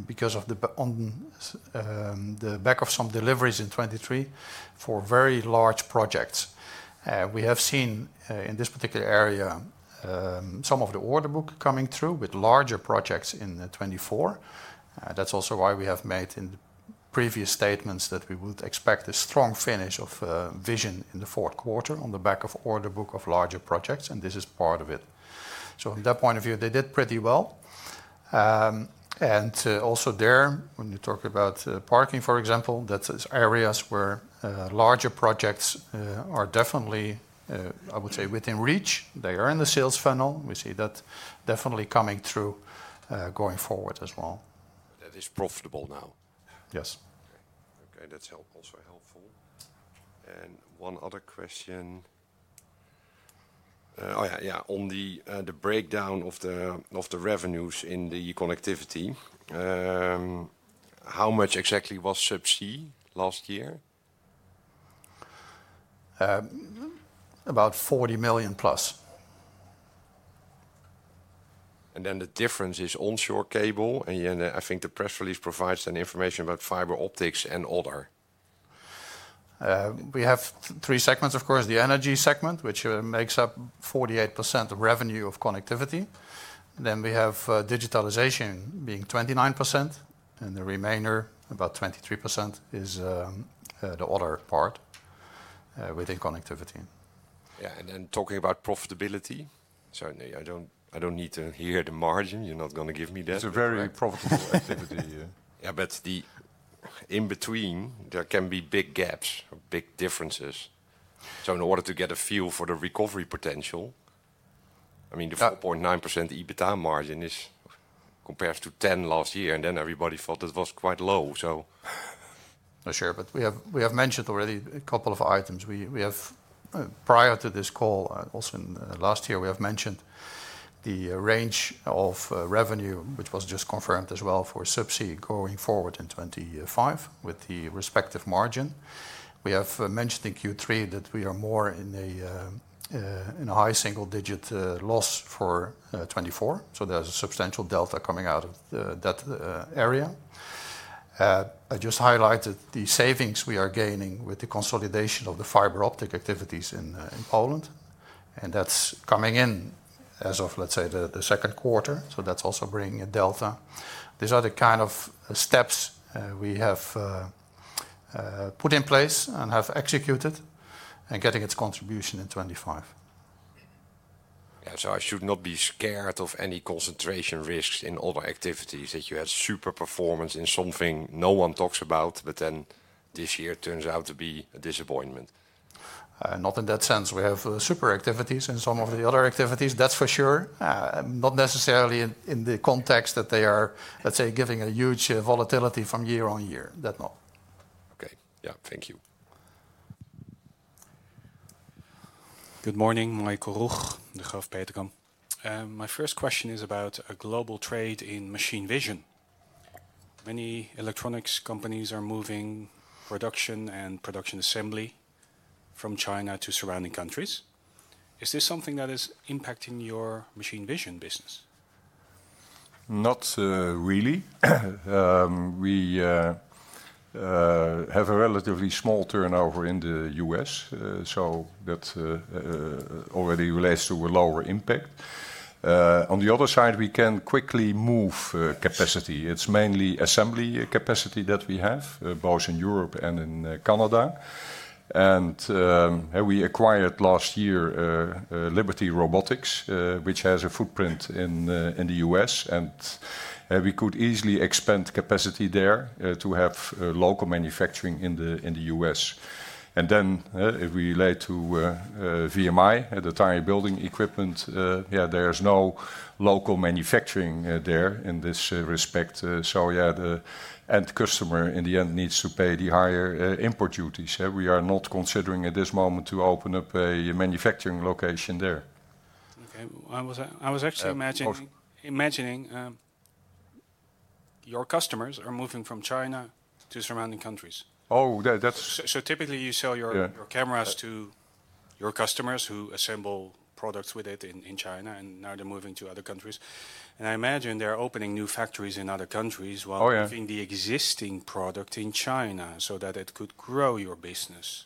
because of the back of some deliveries in 2023 for very large projects. We have seen in this particular area some of the order book coming through with larger projects in 2024. That's also why we have made in previous statements that we would expect a strong finish of vision in the fourth quarter on the back of order book of larger projects. This is part of it. From that point of view, they did pretty well. Also there, when you talk about parking, for example, that's areas where larger projects are definitely, I would say, within reach. They are in the sales funnel. We see that definitely coming through going forward as well. That is profitable now? Yes. Okay, that's also helpful. One other question. Oh yeah, on the breakdown of the revenues in the connectivity, how much exactly was subsea last year? About EUR 40 million plus. The difference is onshore cable. I think the press release provides some information about fiber optics and other. We have three segments, of course. The energy segment, which makes up 48% of revenue of connectivity. Then we have digitalization being 29%. The remainder, about 23%, is the other part within connectivity. Yeah, and then talking about profitability. I do not need to hear the margin. You are not going to give me that. It is a very profitable activity. Yeah, but in between, there can be big gaps or big differences. In order to get a feel for the recovery potential, I mean, the 4.9% EBITDA margin compares to 10 last year. Everybody thought it was quite low, so. I am sure. We have mentioned already a couple of items. Prior to this call, also in last year, we have mentioned the range of revenue, which was just confirmed as well for subsea going forward in 2025 with the respective margin. We have mentioned in Q3 that we are more in a high single-digit loss for 2024. There is a substantial delta coming out of that area. I just highlighted the savings we are gaining with the consolidation of the fiber optic activities in Poland. That is coming in as of, let's say, the second quarter. That is also bringing a delta. These are the kind of steps we have put in place and have executed and getting its contribution in 2025. Yeah, I should not be scared of any concentration risks in other activities that you had super performance in, something no one talks about, but then this year turns out to be a disappointment. Not in that sense. We have super activities in some of the other activities, that's for sure. Not necessarily in the context that they are, let's say, giving a huge volatility from year on year. That's not. Okay, yeah, thank you. Good morning, Michael Roeg, Degroof Petercam. My first question is about a global trade in machine vision. Many electronics companies are moving production and production assembly from China to surrounding countries. Is this something that is impacting your machine vision business? Not really. We have a relatively small turnover in the U.S., so that already relates to a lower impact. On the other side, we can quickly move capacity. It's mainly assembly capacity that we have, both in Europe and in Canada. We acquired last year Liberty Robotics, which has a footprint in the U.S. We could easily expand capacity there to have local manufacturing in the U.S. If we relate to VMI, the tire building equipment, yeah, there's no local manufacturing there in this respect. Yeah, the end customer in the end needs to pay the higher import duties. We are not considering at this moment to open up a manufacturing location there. Okay, I was actually imagining your customers are moving from China to surrounding countries. Oh, that's. Typically you sell your cameras to your customers who assemble products with it in China, and now they're moving to other countries. I imagine they're opening new factories in other countries while having the existing product in China so that it could grow your business.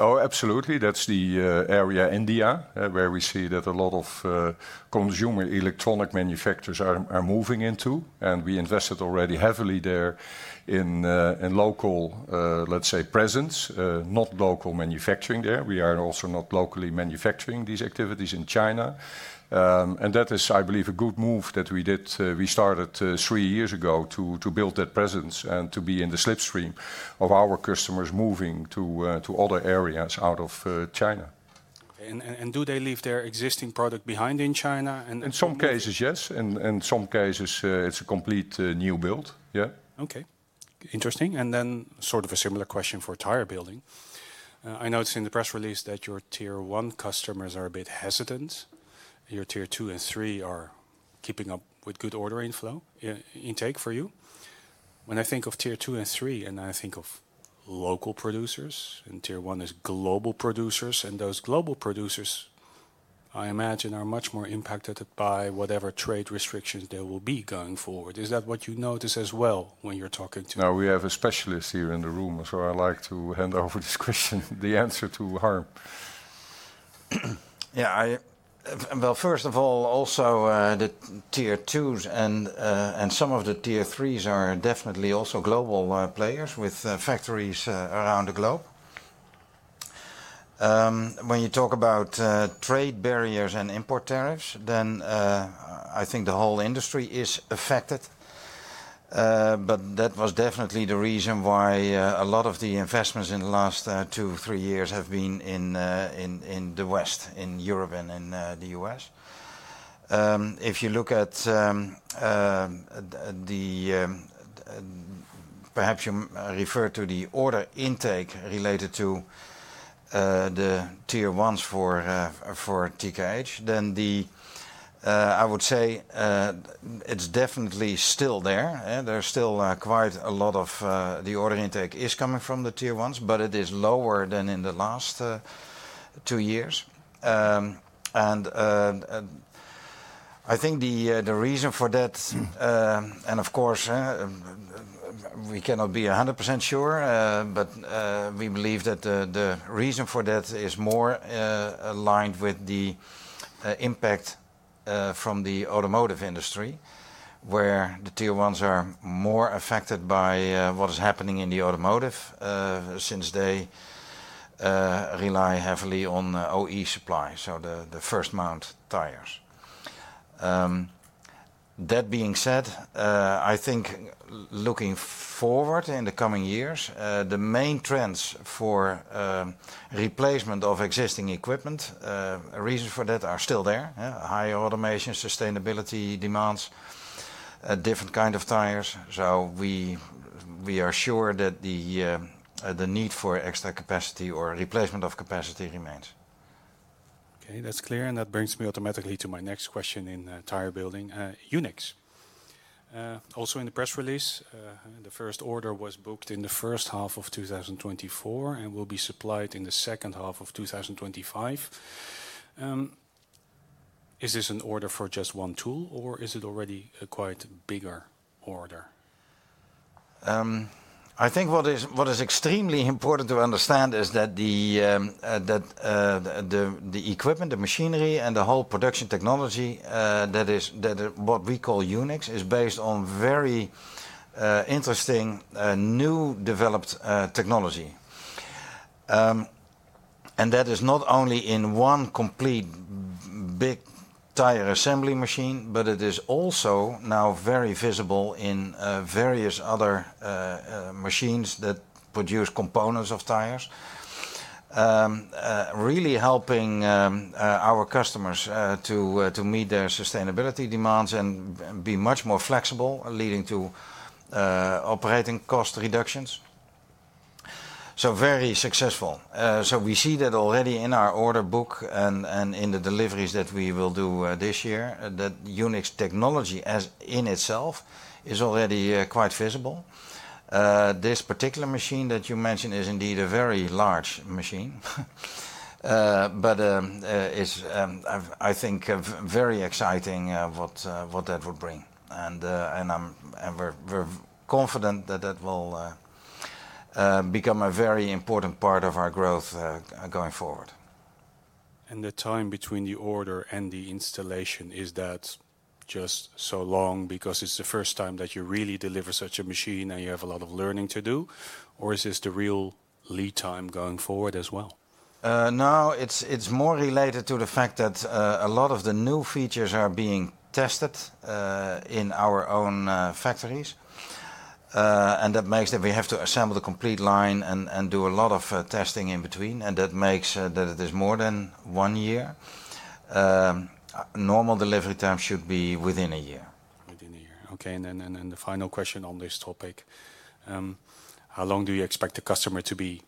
Oh, absolutely. That's the area India where we see that a lot of consumer electronic manufacturers are moving into. We invested already heavily there in local, let's say, presence, not local manufacturing there. We are also not locally manufacturing these activities in China. That is, I believe, a good move that we did. We started three years ago to build that presence and to be in the slipstream of our customers moving to other areas out of China. Do they leave their existing product behind in China? In some cases, yes. In some cases, it is a complete new build. Yeah. Okay, interesting. A similar question for tire building. I noticed in the press release that your tier one customers are a bit hesitant. Your tier two and three are keeping up with good order inflow intake for you. When I think of tier two and three, and I think of local producers, and tier one is global producers. Those global producers, I imagine, are much more impacted by whatever trade restrictions there will be going forward. Is that what you notice as well when you're talking to? Now we have a specialist here in the room, so I'd like to hand over this question, the answer to Harm. Yeah, first of all, also the tier twos and some of the tier threes are definitely also global players with factories around the globe. When you talk about trade barriers and import tariffs, I think the whole industry is affected. That was definitely the reason why a lot of the investments in the last two, three years have been in the West, in Europe and in the U.S. If you look at the perhaps you refer to the order intake related to the tier ones for TKH, I would say it's definitely still there. There's still quite a lot of the order intake is coming from the tier ones, but it is lower than in the last two years. I think the reason for that, and of course, we cannot be 100% sure, but we believe that the reason for that is more aligned with the impact from the automotive industry, where the tier ones are more affected by what is happening in the automotive since they rely heavily on OE supplies, so the first-mount tires. That being said, I think looking forward in the coming years, the main trends for replacement of existing equipment, reasons for that are still there. High automation, sustainability demands, different kinds of tires. We are sure that the need for extra capacity or replacement of capacity remains. Okay, that's clear. That brings me automatically to my next question in tire building, Unix. Also in the press release, the first order was booked in the first half of 2024 and will be supplied in the second half of 2025. Is this an order for just one tool, or is it already a quite bigger order? I think what is extremely important to understand is that the equipment, the machinery, and the whole production technology that is what we call Unix is based on very interesting new developed technology. That is not only in one complete big tire assembly machine, but it is also now very visible in various other machines that produce components of tires, really helping our customers to meet their sustainability demands and be much more flexible, leading to operating cost reductions. So very successful. We see that already in our order book and in the deliveries that we will do this year, that Unix technology in itself is already quite visible. This particular machine that you mentioned is indeed a very large machine, but I think very exciting what that would bring. We're confident that that will become a very important part of our growth going forward. The time between the order and the installation, is that just so long because it's the first time that you really deliver such a machine and you have a lot of learning to do? Is this the real lead time going forward as well? No, it's more related to the fact that a lot of the new features are being tested in our own factories. That makes that we have to assemble the complete line and do a lot of testing in between. That makes that it is more than one year. Normal delivery time should be within a year. Within a year. Okay. The final question on this topic. How long do you expect the customer to be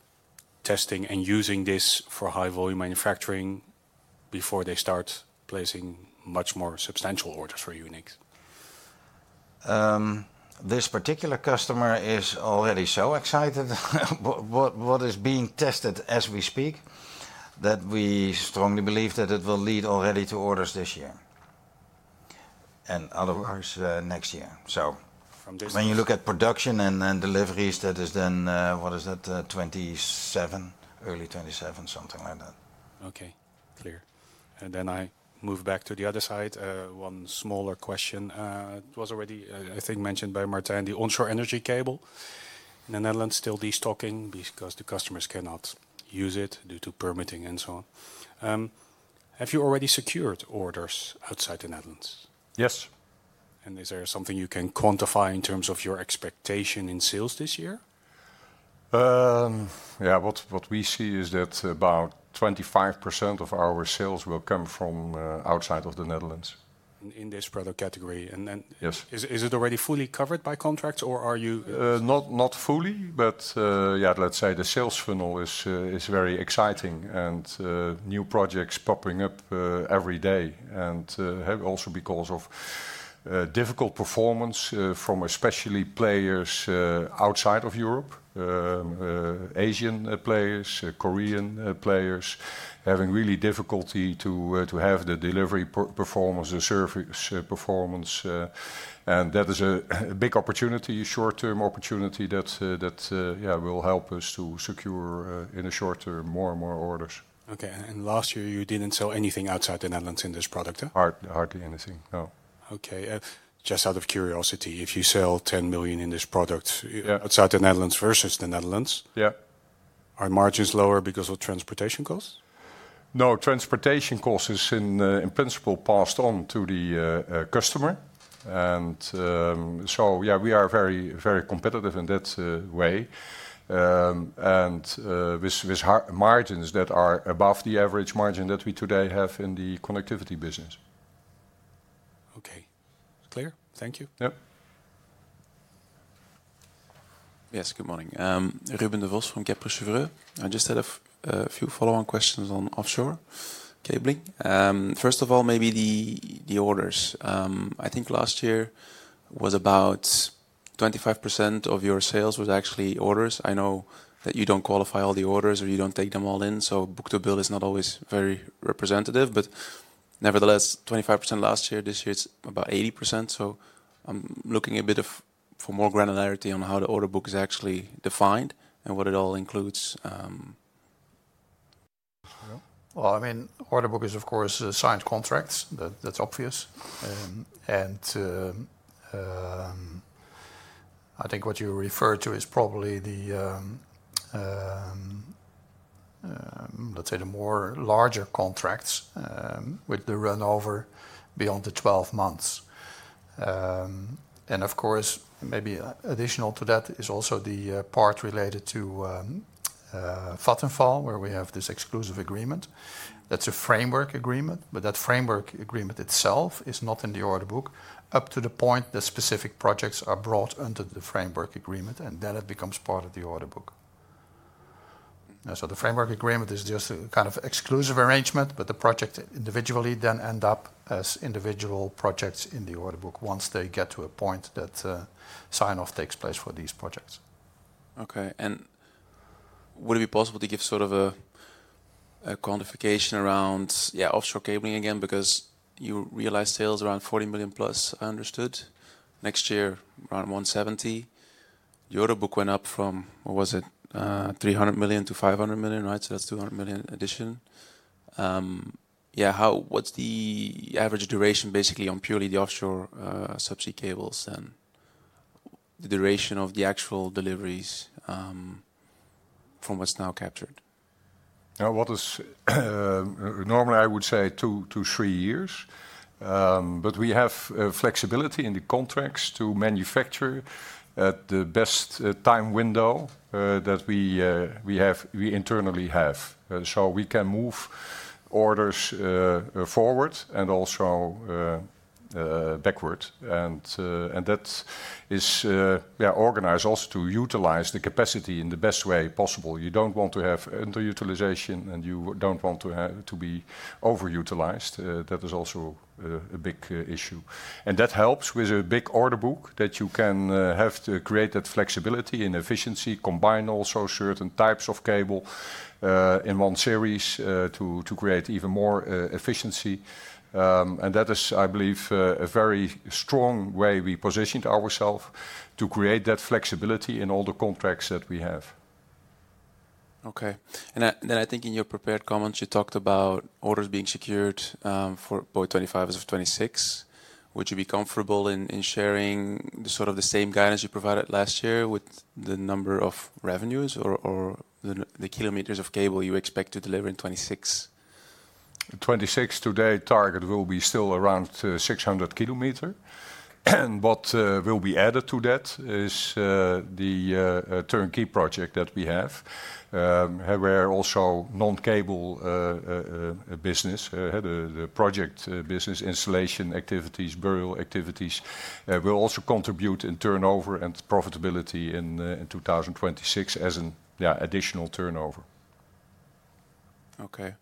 testing and using this for high-volume manufacturing before they start placing much more substantial orders for Unix? This particular customer is already so excited what is being tested as we speak that we strongly believe that it will lead already to orders this year and otherwise next year. When you look at production and deliveries, that is then what is that? 2027, early 2027, something like that. Okay, clear. I move back to the other side. One smaller question. It was already, I think, mentioned by Martijn, the onshore energy cable. The Netherlands is still destocking because the customers cannot use it due to permitting and so on. Have you already secured orders outside the Netherlands? Yes. Is there something you can quantify in terms of your expectation in sales this year? Yeah, what we see is that about 25% of our sales will come from outside of the Netherlands in this product category. Is it already fully covered by contracts or are you? Not fully, but yeah, let's say the sales funnel is very exciting and new projects popping up every day. Also because of difficult performance from especially players outside of Europe, Asian players, Korean players having really difficulty to have the delivery performance, the service performance. That is a big opportunity, a short-term opportunity that will help us to secure in the short term more and more orders. Okay. Last year, you did not sell anything outside the Netherlands in this product? Hardly anything, no. Okay. Just out of curiosity, if you sell 10 million in this product outside the Netherlands versus the Netherlands, are margins lower because of transportation costs? No, transportation costs are in principle passed on to the customer. We are very competitive in that way, and with margins that are above the average margin that we today have in the connectivity business. Okay, clear. Thank you. Yes, good morning. Ruben Devos from Kepler. I just had a few follow-on questions on offshore cabling. First of all, maybe the orders. I think last year was about 25% of your sales was actually orders. I know that you do not qualify all the orders or you do not take them all in. Book to build is not always very representative, but nevertheless, 25% last year, this year it is about 80%. I am looking a bit for more granularity on how the order book is actually defined and what it all includes. Order book is, of course, signed contracts. That is obvious. I think what you refer to is probably the, let's say, the more larger contracts with the runover beyond the 12 months. Of course, maybe additional to that is also the part related to Vattenfall, where we have this exclusive agreement. That is a framework agreement, but that framework agreement itself is not in the order book up to the point the specific projects are brought under the framework agreement, and then it becomes part of the order book. The framework agreement is just a kind of exclusive arrangement, but the project individually then ends up as individual projects in the order book once they get to a point that sign-off takes place for these projects. Okay. Would it be possible to give sort of a quantification around, yeah, offshore cabling again? Because you realize sales around 40+ million, I understood. Next year, around 170 million. The order book went up from, what was it, 300 million-500 million, right? That is 200 million addition. Yeah, what is the average duration basically on purely the offshore subsea cables and the duration of the actual deliveries from what is now captured? Normally, I would say two-three years. We have flexibility in the contracts to manufacture at the best time window that we internally have. We can move orders forward and also backward. That is organized also to utilize the capacity in the best way possible. You do not want to have underutilization, and you do not want to be overutilized. That is also a big issue. That helps with a big order book that you can have to create that flexibility in efficiency, combine also certain types of cable in one series to create even more efficiency. That is, I believe, a very strong way we positioned ourselves to create that flexibility in all the contracts that we have. Okay. I think in your prepared comments, you talked about orders being secured for both 2025 and 2026. Would you be comfortable in sharing sort of the same guidance you provided last year with the number of revenues or the kilometers of cable you expect to deliver in 2026? In 2026, today, target will be still around 600 km. What will be added to that is the turnkey project that we have. We're also non-cable business. The project business installation activities, burial activities will also contribute in turnover and profitability in 2026 as an additional turnover. Okay.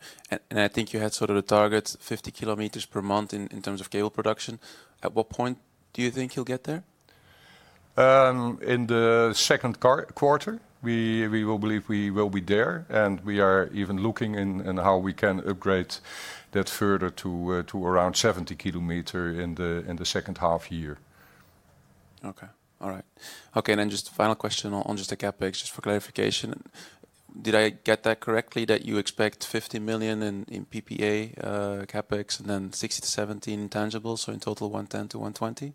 I think you had sort of the target 50 km per month in terms of cable production. At what point do you think you'll get there? In the second quarter, we believe we will be there. We are even looking in how we can upgrade that further to around 70 km in the second half year. Okay. All right. Okay. Just the final question on just the CapEx, just for clarification. Did I get that correctly that you expect 50 million in PPA CapEx and then 60 million-70 million tangibles, so in total 110 million-120 million?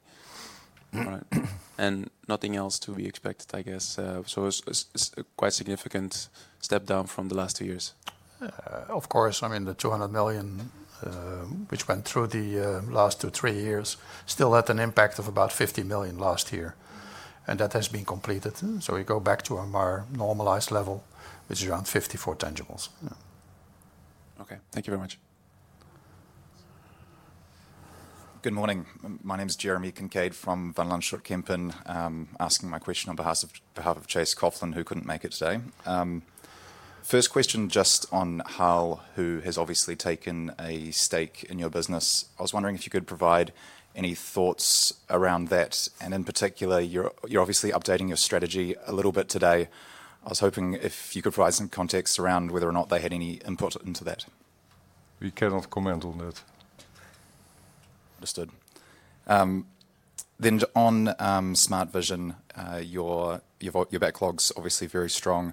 All right. Nothing else to be expected, I guess. It is quite a significant step down from the last two years. Of course, I mean, the 200 million, which went through the last two, three years, still had an impact of about 50 million last year. That has been completed. We go back to our normalized level, which is around 54 million tangibles. Okay. Thank you very much. Good morning. My name is Jeremy Kincaid from Van Lanschot Kempen. I am asking my question on behalf of Chase Coughlan, who could not make it today. First question just on how who has obviously taken a stake in your business. I was wondering if you could provide any thoughts around that. In particular, you are obviously updating your strategy a little bit today. I was hoping if you could provide some context around whether or not they had any input into that. We cannot comment on that. Understood. On smart vision, your backlog is obviously very strong.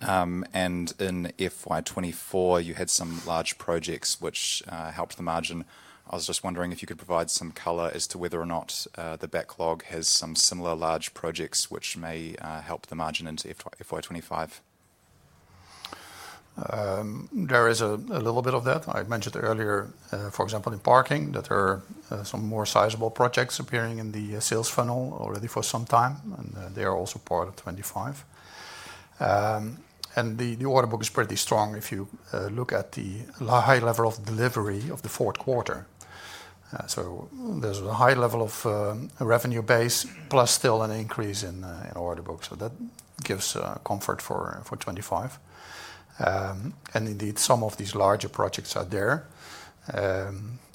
In FY 2024, you had some large projects which helped the margin. I was just wondering if you could provide some color as to whether or not the backlog has some similar large projects which may help the margin into FY 2025. There is a little bit of that. I mentioned earlier, for example, in parking, that there are some more sizable projects appearing in the sales funnel already for some time. They are also part of 2025. The order book is pretty strong if you look at the high level of delivery of the fourth quarter. There is a high level of revenue base plus still an increase in order books. That gives comfort for 2025. Indeed, some of these larger projects are there.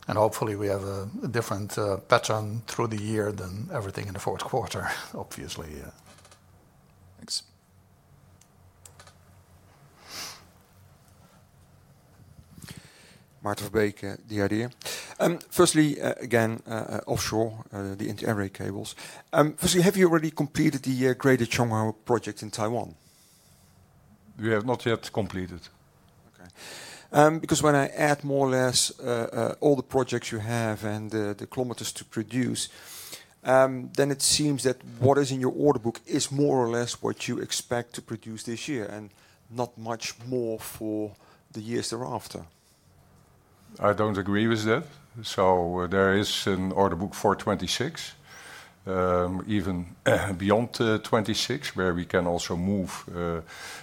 Hopefully, we have a different pattern through the year than everything in the fourth quarter, obviously. Thanks. Maarten Verbeek, the Idea. Firstly, again, offshore, the inter-array cables. Firstly, have you already completed the Greater Changhua project in Taiwan? We have not yet completed. Okay. Because when I add more or less all the projects you have and the kilometers to produce, then it seems that what is in your order book is more or less what you expect to produce this year and not much more for the years thereafter. I don't agree with that. There is an order book for 2026, even beyond 2026, where we can also move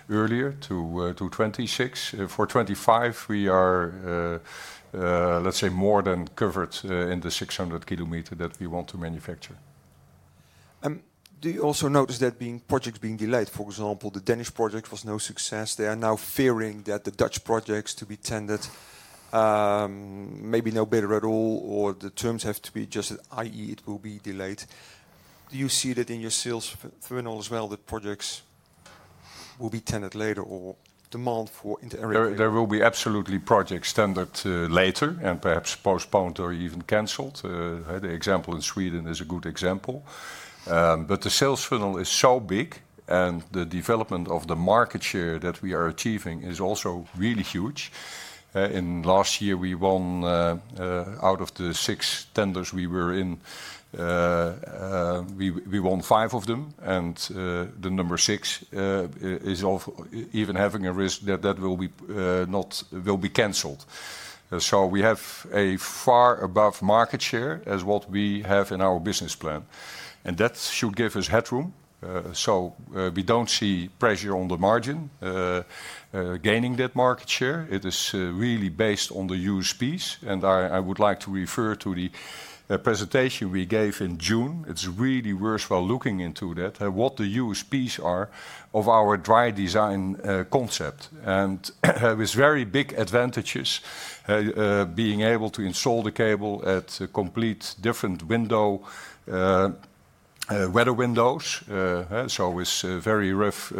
earlier to 2026. For 2025, we are, let's say, more than covered in the 600 km that we want to manufacture. Do you also notice that projects being delayed? For example, the Danish project was no success. They are now fearing that the Dutch projects to be tendered may be no better at all or the terms have to be adjusted, i.e., it will be delayed. Do you see that in your sales funnel as well, that projects will be tendered later or demand for inter-array? There will be absolutely projects tendered later and perhaps postponed or even canceled. The example in Sweden is a good example. The sales funnel is so big and the development of the market share that we are achieving is also really huge. In last year, we won out of the six tenders we were in, we won five of them. The number six is even having a risk that that will be canceled. We have a far above market share as what we have in our business plan. That should give us headroom. We do not see pressure on the margin gaining that market share. It is really based on the USPs. I would like to refer to the presentation we gave in June. It is really worthwhile looking into that, what the USPs are of our dry design concept. With very big advantages, being able to install the cable at completely different weather windows. With very rough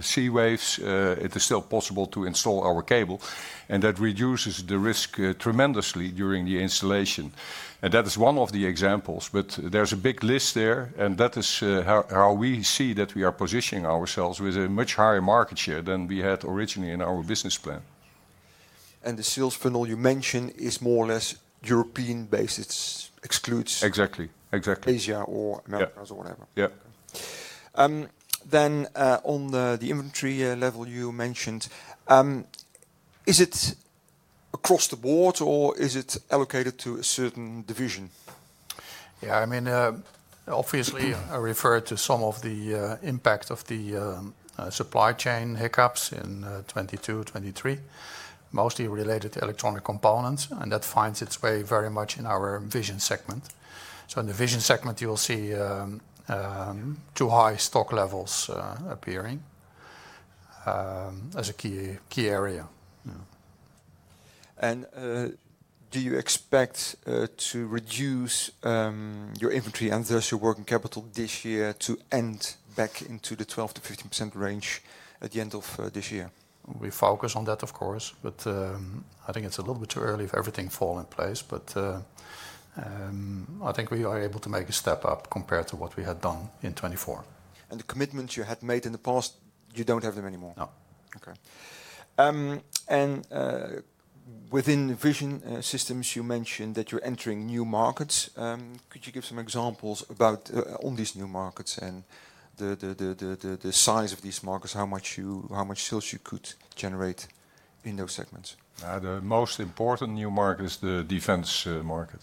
sea waves, it is still possible to install our cable. That reduces the risk tremendously during the installation. That is one of the examples. There is a big list there. That is how we see that we are positioning ourselves with a much higher market share than we had originally in our business plan. The sales funnel you mentioned is more or less European-based. It excludes. Exactly. Exactly. Asia or Americas or whatever. Yeah. On the inventory level you mentioned, is it across the board or is it allocated to a certain division? Yeah, I mean, obviously, I referred to some of the impact of the supply chain hiccups in 2022, 2023, mostly related to electronic components. That finds its way very much in our vision segment. In the vision segment, you will see too high stock levels appearing as a key area. Do you expect to reduce your inventory and thus your working capital this year to end back into the 12-15% range at the end of this year? We focus on that, of course. I think it's a little bit too early if everything falls in place. I think we are able to make a step up compared to what we had done in 2024. The commitments you had made in the past, you do not have them anymore? No. Okay. Within vision systems, you mentioned that you are entering new markets. Could you give some examples about these new markets and the size of these markets, how much sales you could generate in those segments? The most important new market is the defense market.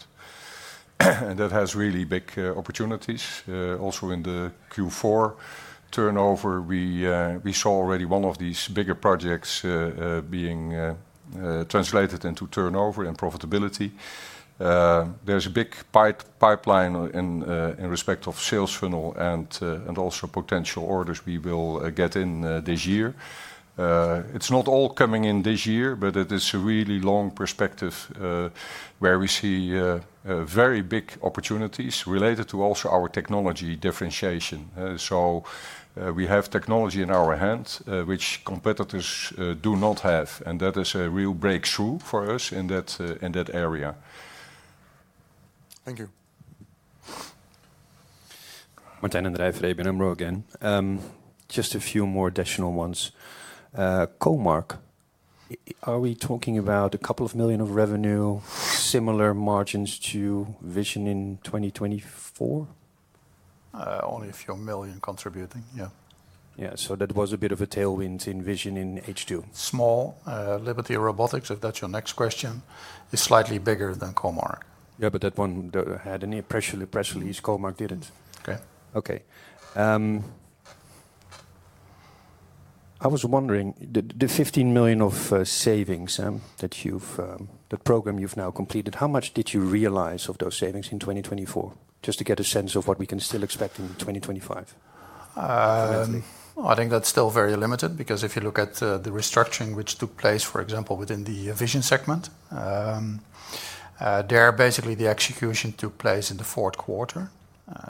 That has really big opportunities. Also in the Q4 turnover, we saw already one of these bigger projects being translated into turnover and profitability. There is a big pipeline in respect of sales funnel and also potential orders we will get in this year. It is not all coming in this year, but it is a really long perspective where we see very big opportunities related to also our technology differentiation. We have technology in our hands, which competitors do not have. That is a real breakthrough for us in that area. Thank you. Martijn den Drijver, ABN AMRO again. Just a few more additional ones. Comarch, are we talking about a couple of million of revenue, similar margins to vision in 2024? Only a few million contributing, yeah. Yeah. That was a bit of a tailwind in vision in H2. Small. Liberty Robotics, if that's your next question, is slightly bigger than Comarch. Yeah, but that one had any pressure to press release. Comarch did not. Okay. I was wondering, the 15 million of savings that program you have now completed, how much did you realize of those savings in 2024? Just to get a sense of what we can still expect in 2025. I think that's still very limited because if you look at the restructuring which took place, for example, within the vision segment, there basically the execution took place in the fourth quarter.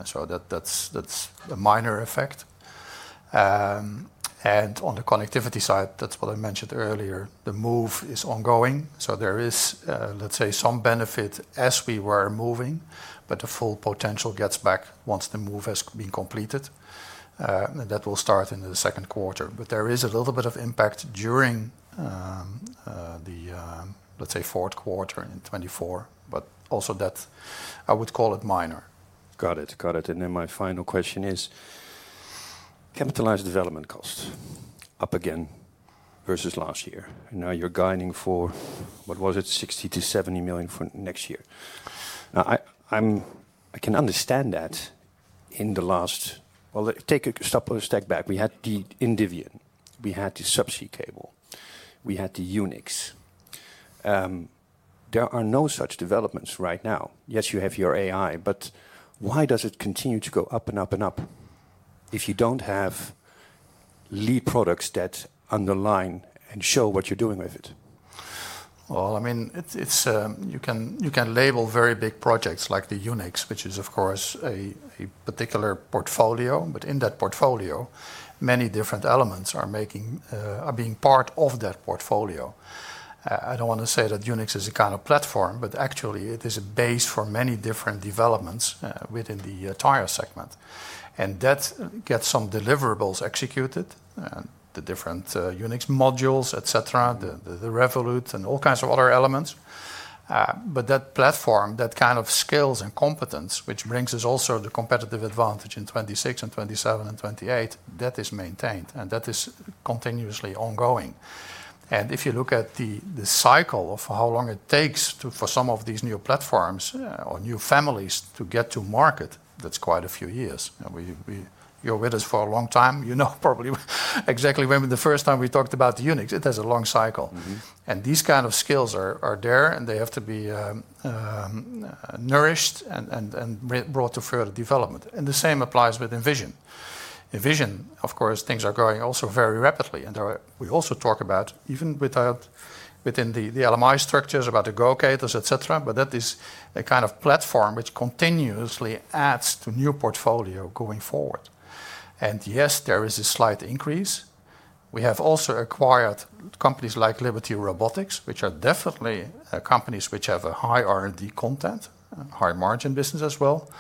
So that's a minor effect. On the connectivity side, that's what I mentioned earlier. The move is ongoing. There is, let's say, some benefit as we were moving, but the full potential gets back once the move has been completed. That will start in the second quarter. There is a little bit of impact during the, let's say, fourth quarter in 2024, but also that I would call it minor. Got it. Got it. My final question is, capitalized development costs up again versus last year. Now you're guiding for, what was it, 60 million-70 million for next year. Now, I can understand that in the last, take a step back. We had the Indivon. We had the subsea cable. We had the Unix. There are no such developments right now. Yes, you have your AI, but why does it continue to go up and up and up if you do not have lead products that underline and show what you are doing with it? I mean, you can label very big projects like the Unix, which is, of course, a particular portfolio. In that portfolio, many different elements are being part of that portfolio. I do not want to say that Unix is a kind of platform, but actually, it is a base for many different developments within the tire segment. That gets some deliverables executed, the different Unix modules, etc., the Revolut and all kinds of other elements. That platform, that kind of skills and competence, which brings us also the competitive advantage in 2026 and 2027 and 2028, that is maintained and that is continuously ongoing. If you look at the cycle of how long it takes for some of these new platforms or new families to get to market, that's quite a few years. You're with us for a long time. You know probably exactly when the first time we talked about the Unix. It has a long cycle. These kind of skills are there, and they have to be nourished and brought to further development. The same applies with Envision. Envision, of course, things are going also very rapidly. We also talk about even within the LMI structures about the GoCators, etc. That is a kind of platform which continuously adds to new portfolio going forward. Yes, there is a slight increase. We have also acquired companies like Liberty Robotics, which are definitely companies which have a high R&D content, high margin business as well.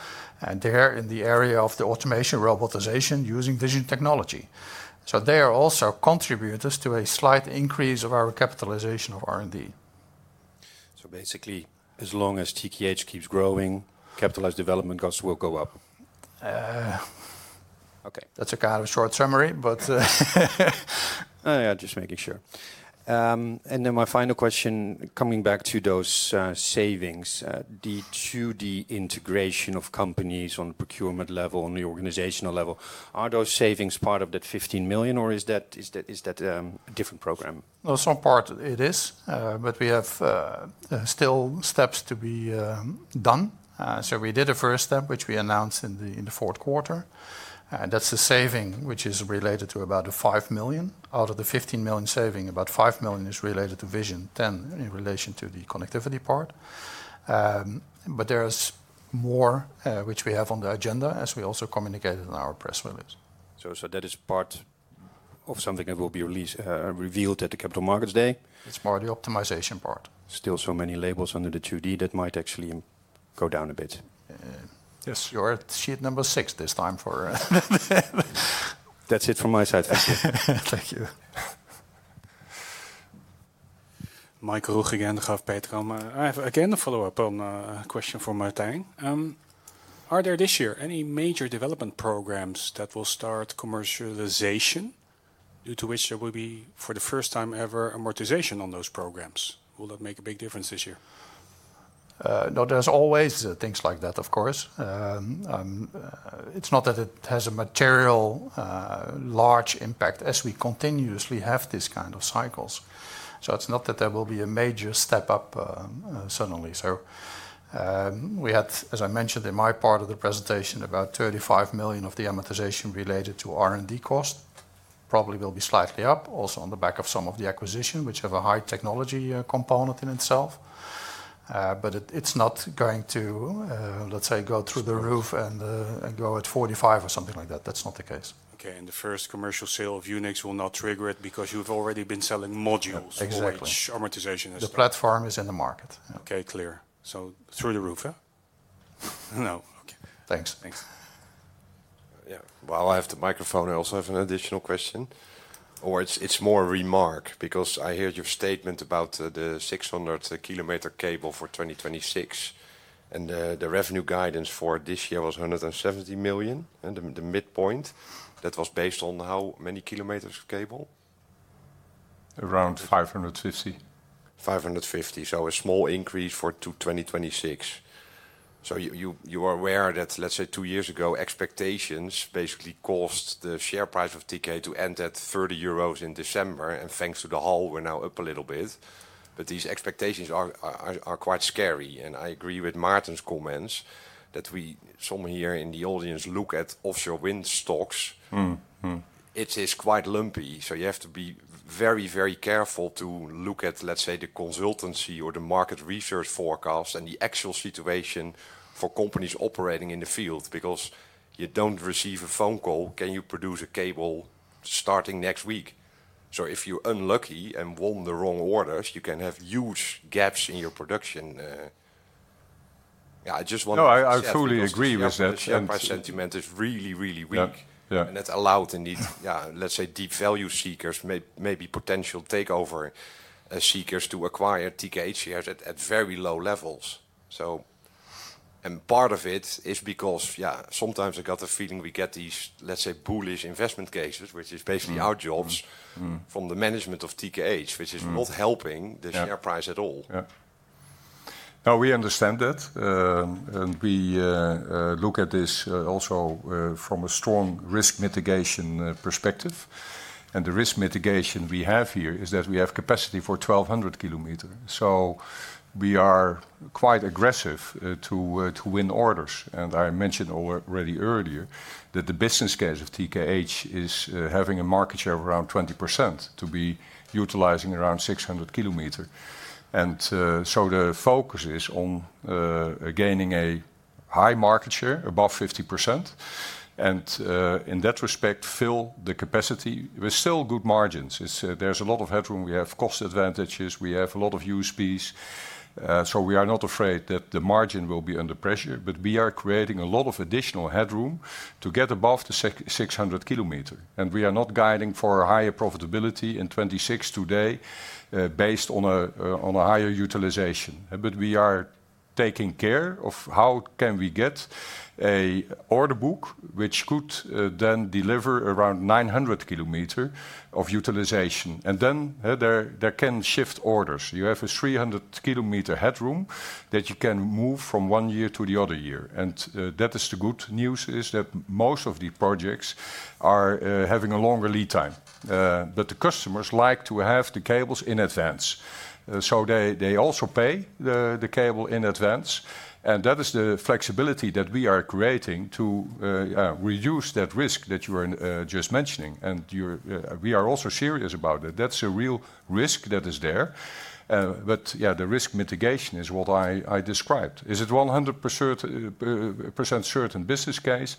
They are in the area of the automation robotization using vision technology. They are also contributors to a slight increase of our capitalization of R&D. Basically, as long as TKH keeps growing, capitalized development costs will go up. Okay. That is a kind of short summary, but I am just making sure. My final question, coming back to those savings, the 2D integration of companies on the procurement level, on the organizational level, are those savings part of that 15 million, or is that a different program? Some part is, but we have still steps to be done. We did a first step, which we announced in the fourth quarter. That's a saving which is related to about 5 million. Out of the 15 million saving, about 5 million is related to vision, 10 million in relation to the connectivity part. There is more which we have on the agenda as we also communicated in our press release. That is part of something that will be revealed at the Capital Markets Day. It is more the optimization part. Still so many labels under the 2D that might actually go down a bit. Yes. You are at sheet number six this time for. That is it from my side. Thank you. Michael Roeg and Degroof Petracam again a follow-up on a question for Martijn. Are there this year any major development programs that will start commercialization due to which there will be, for the first time ever, amortization on those programs? Will that make a big difference this year? No, there's always things like that, of course. It's not that it has a material large impact as we continuously have these kind of cycles. It's not that there will be a major step up suddenly. We had, as I mentioned in my part of the presentation, about 35 million of the amortization related to R&D cost. Probably will be slightly up also on the back of some of the acquisition, which have a high technology component in itself. It's not going to, let's say, go through the roof and go at 45 million or something like that. That's not the case. Okay. The first commercial sale of Unix will not trigger it because you've already been selling modules. Exactly. Which amortization is that? The platform is in the market. Okay. Clear. Through the roof, huh? No. Okay. Thanks. Thanks. Yeah. While I have the microphone, I also have an additional question. Or it's more a remark because I heard your statement about the 600 km cable for 2026. And the revenue guidance for this year was 170 million. The midpoint, that was based on how many kilometers of cable? Around 550. 550. So a small increase for 2026. You are aware that, let's say, two years ago, expectations basically caused the share price of TKH to end at 30 euros in December. Thanks to the hull, we're now up a little bit. These expectations are quite scary. I agree with Martijn's comments that we, some here in the audience, look at offshore wind stocks. It is quite lumpy. You have to be very, very careful to look at, let's say, the consultancy or the market research forecast and the actual situation for companies operating in the field because you don't receive a phone call, can you produce a cable starting next week? If you're unlucky and want the wrong orders, you can have huge gaps in your production. I just want to. No, I fully agree with that. Share price sentiment is really, really weak. That's allowed in the, yeah, let's say, deep value seekers, maybe potential takeover seekers to acquire TKH shares at very low levels. Part of it is because, yeah, sometimes I got the feeling we get these, let's say, bullish investment cases, which is basically our jobs from the management of TKH, which is not helping the share price at all. Yeah. No, we understand that. We look at this also from a strong risk mitigation perspective. The risk mitigation we have here is that we have capacity for 1,200 km. We are quite aggressive to win orders. I mentioned already earlier that the business case of TKH Group is having a market share of around 20% to be utilizing around 600 km. The focus is on gaining a high market share above 50%. In that respect, fill the capacity with still good margins. There is a lot of headroom. We have cost advantages. We have a lot of USPs. We are not afraid that the margin will be under pressure. We are creating a lot of additional headroom to get above the 600 km. We are not guiding for a higher profitability in 2026 today based on a higher utilization. We are taking care of how can we get an order book which could then deliver around 900 km of utilization. There can shift orders. You have a 300 km headroom that you can move from one year to the other year. The good news is that most of the projects are having a longer lead time. The customers like to have the cables in advance. They also pay the cable in advance. That is the flexibility that we are creating to reduce that risk that you were just mentioning. We are also serious about it. That's a real risk that is there. The risk mitigation is what I described. Is it 100% certain business case?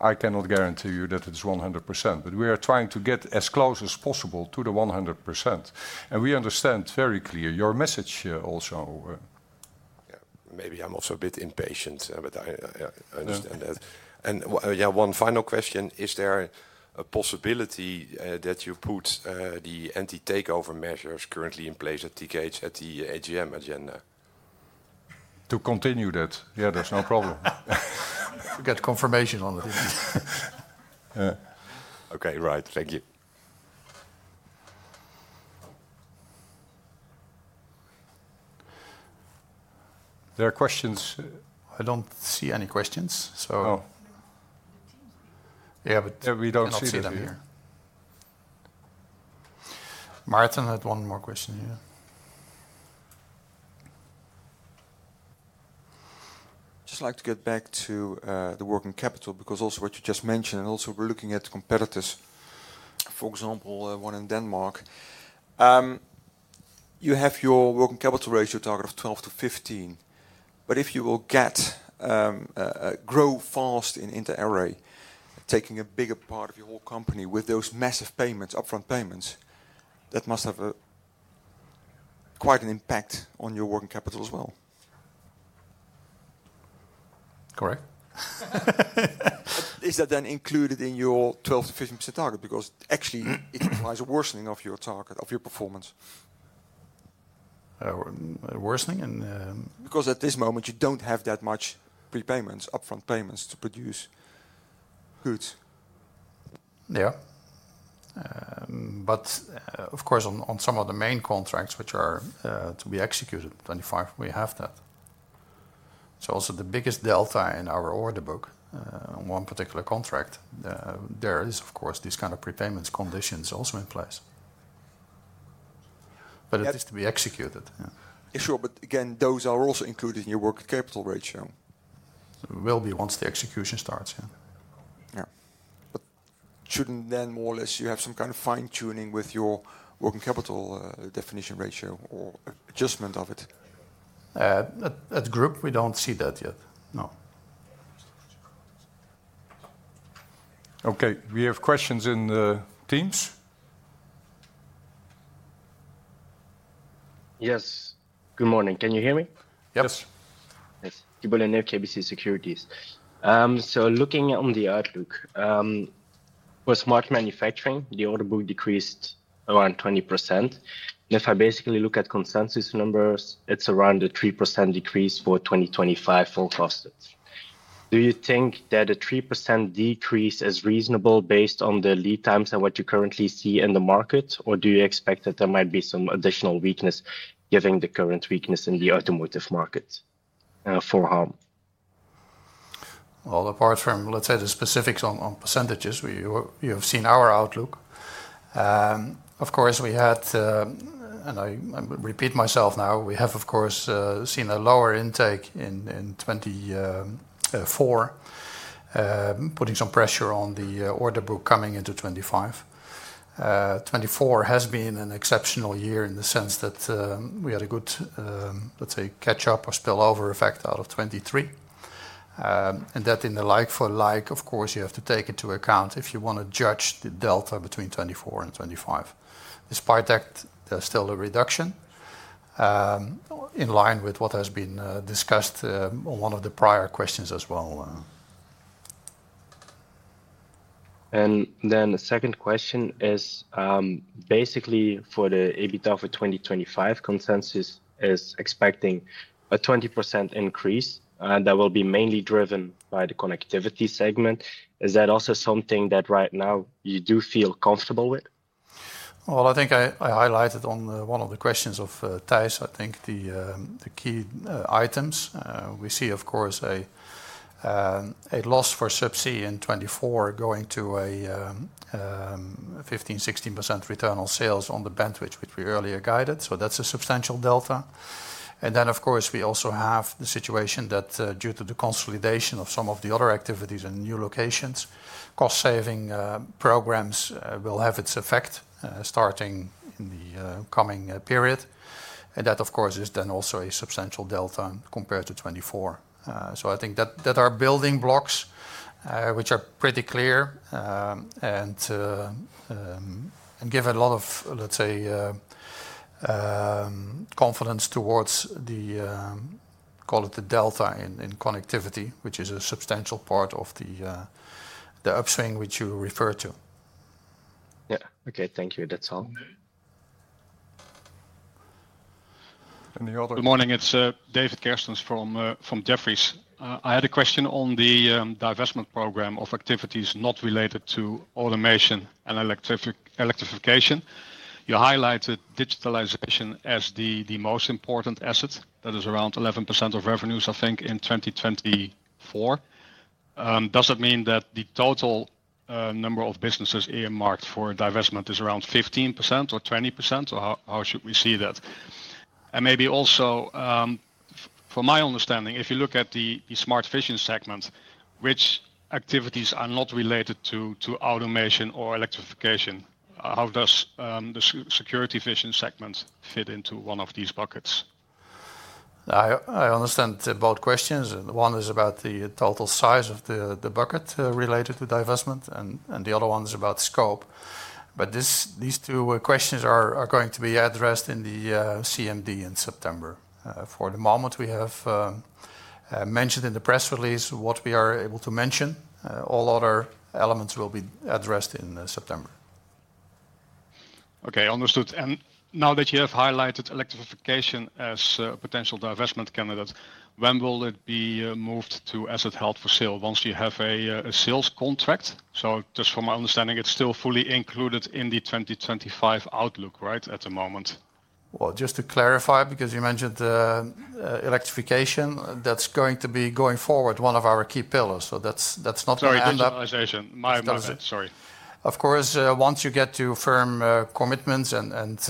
I cannot guarantee you that it's 100%. We are trying to get as close as possible to the 100%. We understand very clearly your message also. Yeah. Maybe I'm also a bit impatient, but I understand that. Yeah, one final question. Is there a possibility that you put the anti-takeover measures currently in place at TKH at the AGM agenda? To continue that, yeah, there's no problem. I forget confirmation on it. Okay, right. Thank you. There are questions. I don't see any questions. The team's here. Yeah, but we don't see them here. Martijn had one more question here. I'd just like to get back to the working capital because also what you just mentioned and also we're looking at competitors. For example, one in Denmark. You have your working capital ratio target of 12:15. If you will grow fast in inter-array, taking a bigger part of your whole company with those massive payments, upfront payments, that must have quite an impact on your working capital as well. Correct. Is that then included in your 12-15% target? Because actually, it implies a worsening of your target, of your performance. Worsening and. Because at this moment, you do not have that much prepayments, upfront payments to produce goods. Yeah. Of course, on some of the main contracts, which are to be executed, 2025, we have that. Also the biggest delta in our order book, one particular contract, there is, of course, these kind of prepayments conditions also in place. It is to be executed. Sure. Again, those are also included in your working capital ratio. Will be once the execution starts, yeah. Yeah. Shouldn't you then more or less have some kind of fine-tuning with your working capital definition ratio or adjustment of it? At group, we don't see that yet. No. Okay. We have questions in the teams. Yes. Good morning. Can you hear me? Yes. Yes. Tiburon FKBC Securities. Looking on the outlook for smart manufacturing, the order book decreased around 20%. If I basically look at consensus numbers, it's around a 3% decrease for 2025 forecasted. Do you think that a 3% decrease is reasonable based on the lead times and what you currently see in the market, or do you expect that there might be some additional weakness given the current weakness in the automotive market for Harm? Apart from, let's say, the specifics on percentages, you have seen our outlook. Of course, we had, and I repeat myself now, we have, of course, seen a lower intake in 2024, putting some pressure on the order book coming into 2025. 2024 has been an exceptional year in the sense that we had a good, let's say, catch-up or spillover effect out of 2023. And that in the like for like, of course, you have to take into account if you want to judge the delta between 2024 and 2025. Despite that, there's still a reduction in line with what has been discussed on one of the prior questions as well. The second question is basically for the EBITDA for 2025 consensus is expecting a 20% increase that will be mainly driven by the connectivity segment. Is that also something that right now you do feel comfortable with? I think I highlighted on one of the questions of Tijs, I think the key items. We see, of course, a loss for subsea in 2024 going to a 15-16% return on sales on the bandwidth, which we earlier guided. That is a substantial delta. We also have the situation that due to the consolidation of some of the other activities and new locations, cost-saving programs will have its effect starting in the coming period. That is also a substantial delta compared to 2024. I think those are building blocks, which are pretty clear and give a lot of, let's say, confidence towards the, call it the delta in connectivity, which is a substantial part of the upswing which you referred to. Yeah. Okay. Thank you. That's all. Good morning. It's David Kerstens from Jefferies. I had a question on the divestment program of activities not related to automation and electrification. You highlighted digitalization as the most important asset. That is around 11% of revenues, I think, in 2024. Does that mean that the total number of businesses earmarked for divestment is around 15% or 20%? How should we see that? Maybe also for my understanding, if you look at the smart vision segment, which activities are not related to automation or electrification, how does the security vision segment fit into one of these buckets? I understand both questions. One is about the total size of the bucket related to divestment, and the other one is about scope. These two questions are going to be addressed in the CMD in September. For the moment, we have mentioned in the press release what we are able to mention. All other elements will be addressed in September. Okay. Understood. Now that you have highlighted electrification as a potential divestment candidate, when will it be moved to asset held for sale once you have a sales contract? Just from my understanding, it's still fully included in the 2025 outlook, right, at the moment? Just to clarify, because you mentioned electrification, that's going to be going forward one of our key pillars. That's not going to end up. Sorry, digitalization. My apologies. Sorry. Of course, once you get to firm commitments and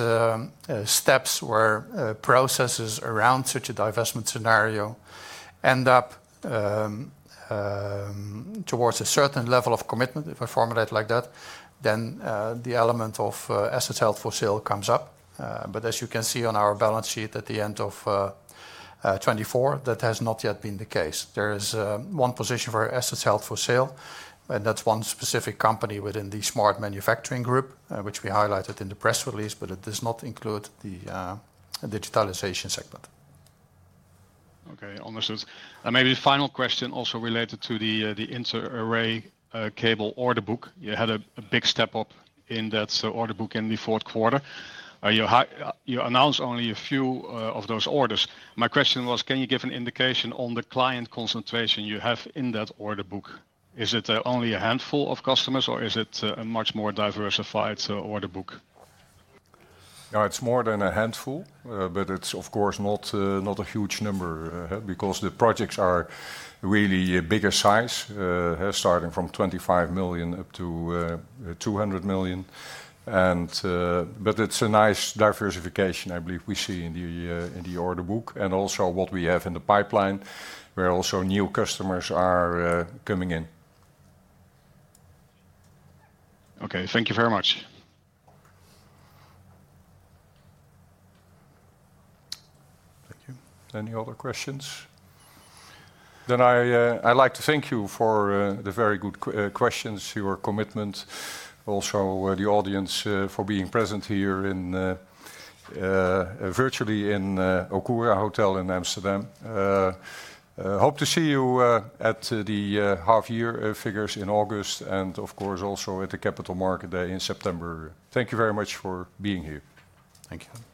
steps where processes around such a divestment scenario end up towards a certain level of commitment, if I formulate like that, then the element of asset held for sale comes up. As you can see on our balance sheet at the end of 2024, that has not yet been the case. There is one position for asset health for sale, and that's one specific company within the smart manufacturing group, which we highlighted in the press release, but it does not include the digitalization segment. Okay. Understood. Maybe final question also related to the inter-array cable order book. You had a big step up in that order book in the fourth quarter. You announced only a few of those orders. My question was, can you give an indication on the client concentration you have in that order book? Is it only a handful of customers, or is it a much more diversified order book? Yeah, it's more than a handful, but it's, of course, not a huge number because the projects are really bigger size, starting from 25 million up to 200 million. But it's a nice diversification, I believe, we see in the order book and also what we have in the pipeline where also new customers are coming in. Okay. Thank you very much. Thank you. Any other questions? I would like to thank you for the very good questions, your commitment, also the audience for being present here virtually in Okura Hotel in Amsterdam. Hope to see you at the half-year figures in August and, of course, also at the capital market day in September. Thank you very much for being here. Thank you.